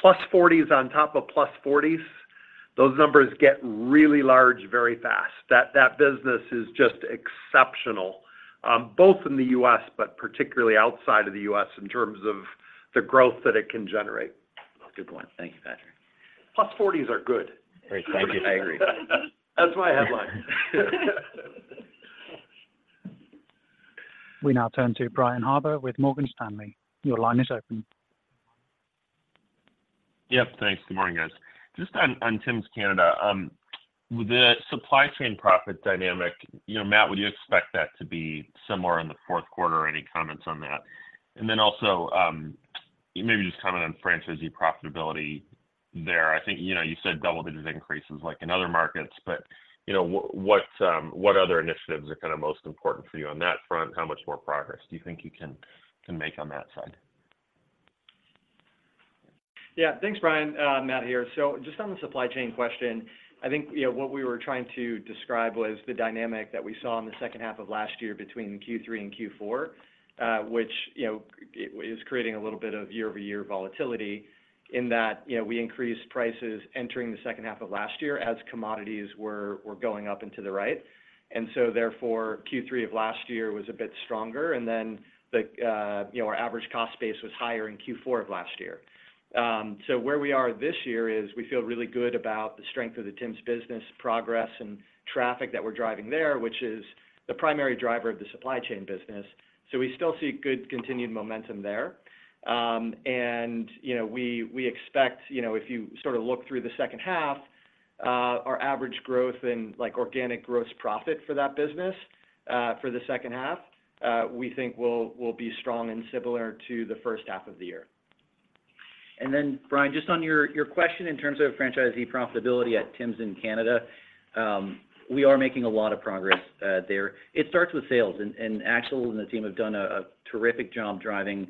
Plus 40s on top of plus 40s, those numbers get really large, very fast. That business is just exceptional, both in the U.S., but particularly outside of the U.S. in terms of the growth that it can generate. Good point. Thank you, Patrick. Plus 40s are good. Great. Thank you. I agree. That's my headline. We now turn to Brian Harbour with Morgan Stanley. Your line is open. Yep, thanks. Good morning, guys. Just on Tims Canada with the supply chain profit dynamic, you know, Matt, would you expect that to be similar in the fourth quarter or any comments on that? And then also, maybe just comment on franchisee profitability there. I think, you know, you said double-digit increases like in other markets, but, you know, what other initiatives are kinda most important for you on that front? How much more progress do you think you can make on that side? Yeah, thanks, Brian. Matt here. So just on the supply chain question, I think, you know, what we were trying to describe was the dynamic that we saw in the second half of last year between Q3 and Q4, which, you know, it is creating a little bit of year-over-year volatility in that, you know, we increased prices entering the second half of last year as commodities were going up into the right. And so therefore, Q3 of last year was a bit stronger, and then the, you know, our average cost base was higher in Q4 of last year. So where we are this year is we feel really good about the strength of the Tims business progress and traffic that we're driving there, which is the primary driver of the supply chain business. So we still see good continued momentum there. And, you know, we expect, you know, if you sort of look through the second half, our average growth in, like, organic gross profit for that business, for the second half, we think will be strong and similar to the first half of the year. And then, Brian, just on your question in terms of franchisee profitability at Tims in Canada, we are making a lot of progress there. It starts with sales, and Axel and the team have done a terrific job driving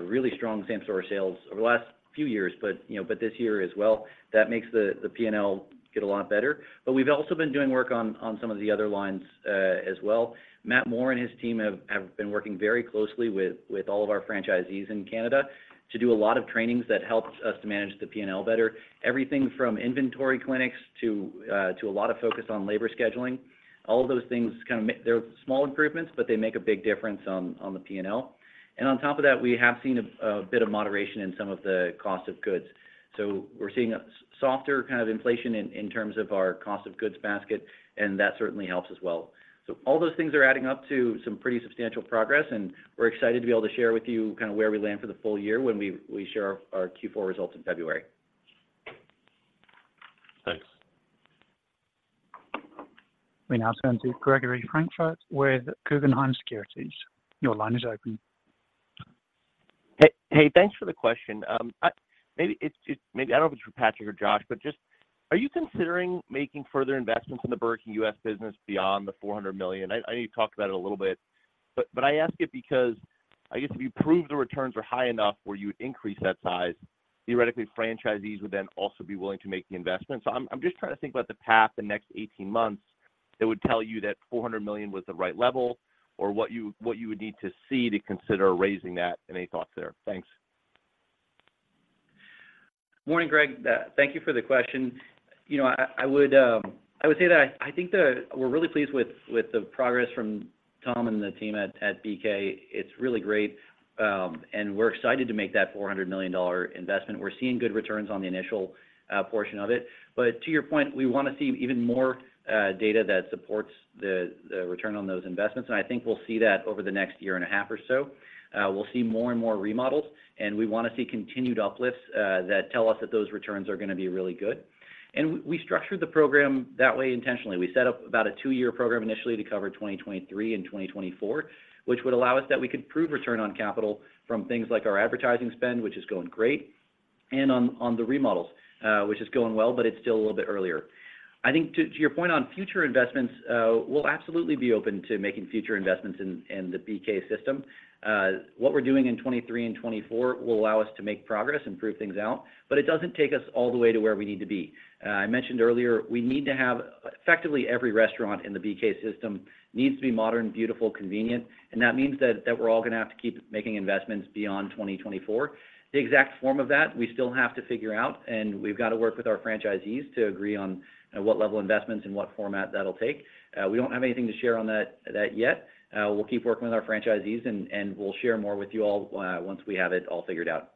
really strong same-store sales over the last few years, but, you know, but this year as well, that makes the P&L get a lot better. But we've also been doing work on some of the other lines as well. Matt Moore and his team have been working very closely with all of our franchisees in Canada to do a lot of trainings that helps us to manage the P&L better. Everything from inventory clinics to a lot of focus on labor scheduling, all of those things kinda they're small improvements, but they make a big difference on the P&L. And on top of that, we have seen a bit of moderation in some of the cost of goods. So we're seeing softer kind of inflation in terms of our cost of goods basket, and that certainly helps as well. So all those things are adding up to some pretty substantial progress, and we're excited to be able to share with you kind of where we land for the full year when we share our Q4 results in February. Thanks. We now turn to Gregory Francfort with Guggenheim Securities. Your line is open. Hey, hey, thanks for the question. Maybe it's... I don't know if it's for Patrick or Josh, but just are you considering making further investments in the Burger King US business beyond the $400 million? I know you talked about it a little bit, but I ask it because I guess if you prove the returns are high enough where you would increase that size, theoretically, franchisees would then also be willing to make the investment. So I'm just trying to think about the path the next 18 months, that would tell you that $400 million was the right level, or what you would need to see to consider raising that. Any thoughts there? Thanks. Morning, Greg. Thank you for the question. You know, I would say that I think we're really pleased with the progress from Tom and the team at BK. It's really great, and we're excited to make that $400 million investment. We're seeing good returns on the initial portion of it. But to your point, we wanna see even more data that supports the return on those investments, and I think we'll see that over the next year and a half or so. We'll see more and more remodels, and we wanna see continued uplifts that tell us that those returns are gonna be really good. And we structured the program that way intentionally. We set up about a two-year program initially to cover 2023 and 2024, which would allow us that we could prove return on capital from things like our advertising spend, which is going great, and on the remodels, which is going well, but it's still a little bit earlier. I think to your point on future investments, we'll absolutely be open to making future investments in the BK system. What we're doing in 2023 and 2024 will allow us to make progress and prove things out, but it doesn't take us all the way to where we need to be. I mentioned earlier, we need to have... Effectively, every restaurant in the BK system needs to be modern, beautiful, convenient, and that means that we're all gonna have to keep making investments beyond 2024. The exact form of that, we still have to figure out, and we've got to work with our franchisees to agree on what level of investments and what format that'll take. We don't have anything to share on that yet. We'll keep working with our franchisees and we'll share more with you all once we have it all figured out.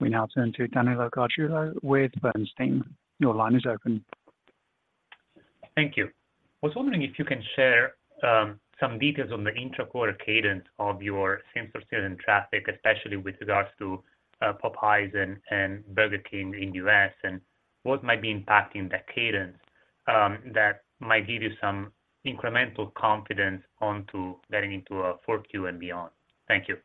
We now turn to Danilo Gargiulo with Bernstein. Your line is open. Thank you. I was wondering if you can share some details on the intra-quarter cadence of your same-store student traffic, especially with regards to Popeyes and Burger King in U.S., and what might be impacting that cadence that might give you some incremental confidence onto getting into fourth Q and beyond. Thank you.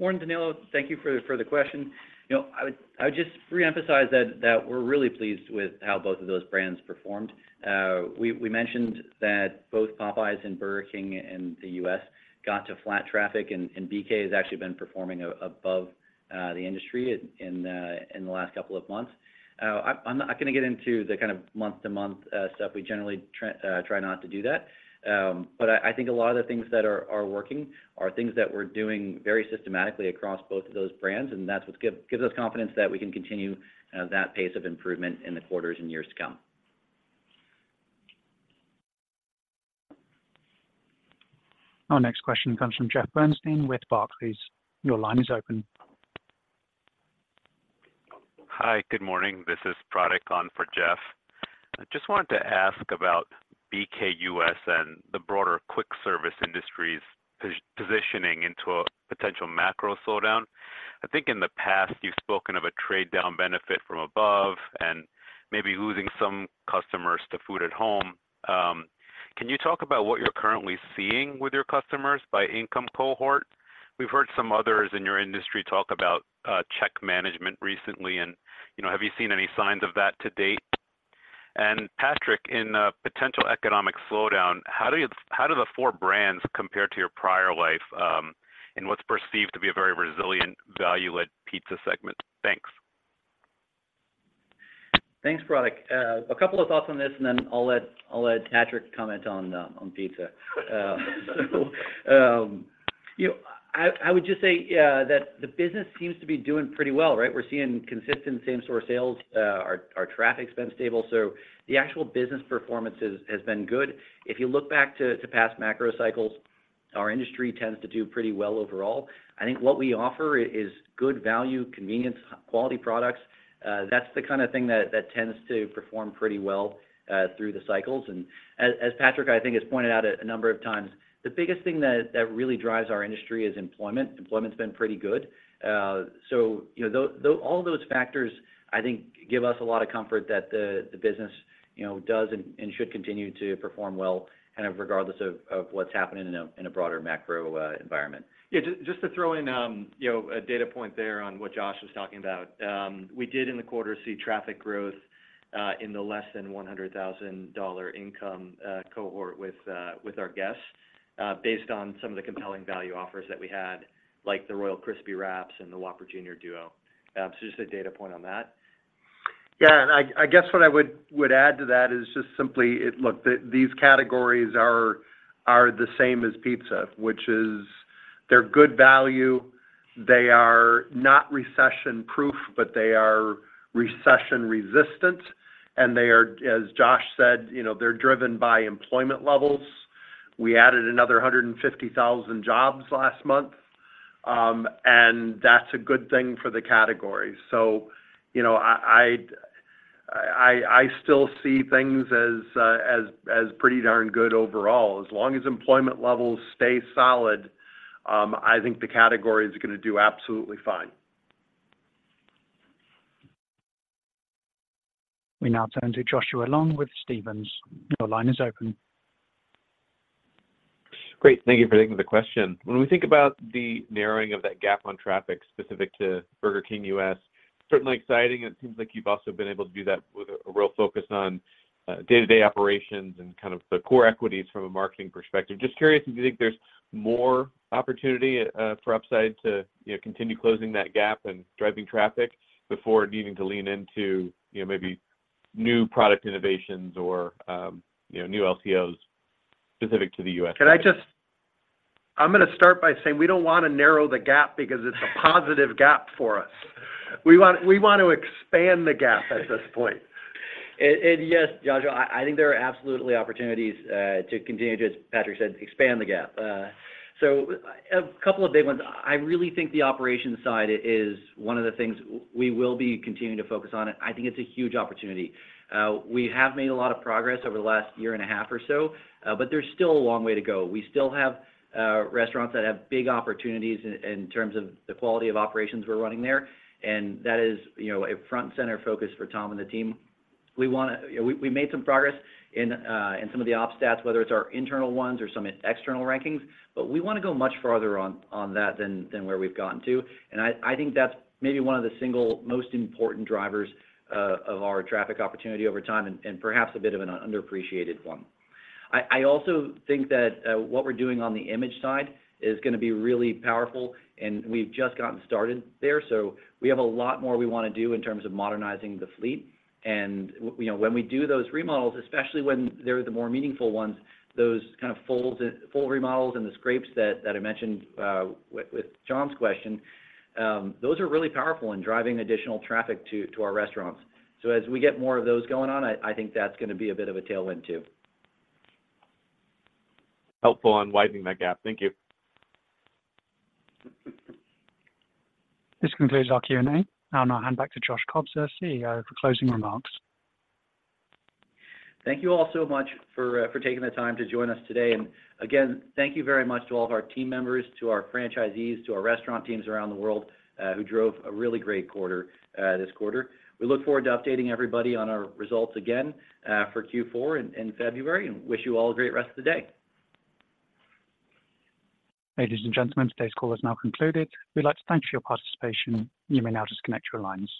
Morning, Danilo. Thank you for the, for the question. You know, I would, I would just re-emphasize that, that we're really pleased with how both of those brands performed. We, we mentioned that both Popeyes and Burger King in the US got to flat traffic, and, and BK has actually been performing above the industry in, in the last couple of months. I'm, I'm not gonna get into the kind of month-to-month stuff. We generally try not to do that. But I, I think a lot of the things that are, are working are things that we're doing very systematically across both of those brands, and that's what gives us confidence that we can continue that pace of improvement in the quarters and years to come. Our next question comes from Jeff Bernstein with Barclays. Your line is open. Hi, good morning. This is Pratik on for Jeff. I just wanted to ask about BK US and the broader quick service industry's positioning into a potential macro slowdown. I think in the past, you've spoken of a trade-down benefit from above and maybe losing some customers to food at home. Can you talk about what you're currently seeing with your customers by income cohort? We've heard some others in your industry talk about check management recently and, you know, have you seen any signs of that to date? And Patrick, in a potential economic slowdown, how do the four brands compare to your prior life in what's perceived to be a very resilient, value-led pizza segment? Thanks. Thanks, Pratik. A couple of thoughts on this, and then I'll let, I'll let Patrick comment on, on pizza. You know, I, I would just say, that the business seems to be doing pretty well, right? We're seeing consistent same-store sales. Our, our traffic's been stable, so the actual business performance is, has been good. If you look back to, to past macro cycles, our industry tends to do pretty well overall. I think what we offer is good value, convenience, quality products. That's the kind of thing that, that tends to perform pretty well, through the cycles. And as, as Patrick, I think, has pointed out a number of times, the biggest thing that, that really drives our industry is employment. Employment's been pretty good. So you know, all those factors, I think, give us a lot of comfort that the business, you know, does and should continue to perform well, kind of regardless of what's happening in a broader macro environment. Yeah, just to throw in, you know, a data point there on what Josh was talking about. We did, in the quarter, see traffic growth in the less than $100,000 income cohort with our guests based on some of the compelling value offers that we had, like the Royal Crispy Wraps and the Whopper Junior Duo. So just a data point on that.... Yeah, and I guess what I would add to that is just simply, it—look, these categories are the same as pizza, which is they're good value, they are not recession-proof, but they are recession-resistant, and they are, as Josh said, you know, they're driven by employment levels. We added another 150,000 jobs last month, and that's a good thing for the category. So you know, I still see things as pretty darn good overall. As long as employment levels stay solid, I think the category is gonna do absolutely fine. We now turn to Joshua Long with Stephens. Your line is open. Great. Thank you for taking the question. When we think about the narrowing of that gap on traffic specific to Burger King US, certainly exciting, it seems like you've also been able to do that with a, a real focus on, day-to-day operations and kind of the core equities from a marketing perspective. Just curious if you think there's more opportunity, for upside to, you know, continue closing that gap and driving traffic before needing to lean into, you know, maybe new product innovations or, you know, new LTOs specific to the US? Can I just. I'm gonna start by saying we don't wanna narrow the gap because it's a positive gap for us. We want, we want to expand the gap at this point. Yes, Joshua, I think there are absolutely opportunities to continue, as Patrick said, expand the gap. So a couple of big ones. I really think the operations side is one of the things we will be continuing to focus on, and I think it's a huge opportunity. We have made a lot of progress over the last year and a half or so, but there's still a long way to go. We still have restaurants that have big opportunities in terms of the quality of operations we're running there, and that is, you know, a front and center focus for Tom and the team. We wanna... We, we made some progress in, in some of the op stats, whether it's our internal ones or some external rankings, but we wanna go much farther on, on that than, than where we've gotten to. And I, I think that's maybe one of the single most important drivers, of our traffic opportunity over time and, and perhaps a bit of an underappreciated one. I, I also think that, what we're doing on the image side is gonna be really powerful, and we've just gotten started there. So we have a lot more we wanna do in terms of modernizing the fleet. And you know, when we do those remodels, especially when they're the more meaningful ones, those kind of full full remodels and the scrapes that I mentioned with John's question, those are really powerful in driving additional traffic to our restaurants. So as we get more of those going on, I think that's gonna be a bit of a tailwind, too. Helpful on widening that gap. Thank you. This concludes our Q&A. I'll now hand back to Josh Kobza, CEO, for closing remarks. Thank you all so much for for taking the time to join us today. And again, thank you very much to all of our team members, to our franchisees, to our restaurant teams around the world, who drove a really great quarter this quarter. We look forward to updating everybody on our results again for Q4 in February, and wish you all a great rest of the day. Ladies and gentlemen, today's call is now concluded. We'd like to thank you for your participation. You may now disconnect your lines.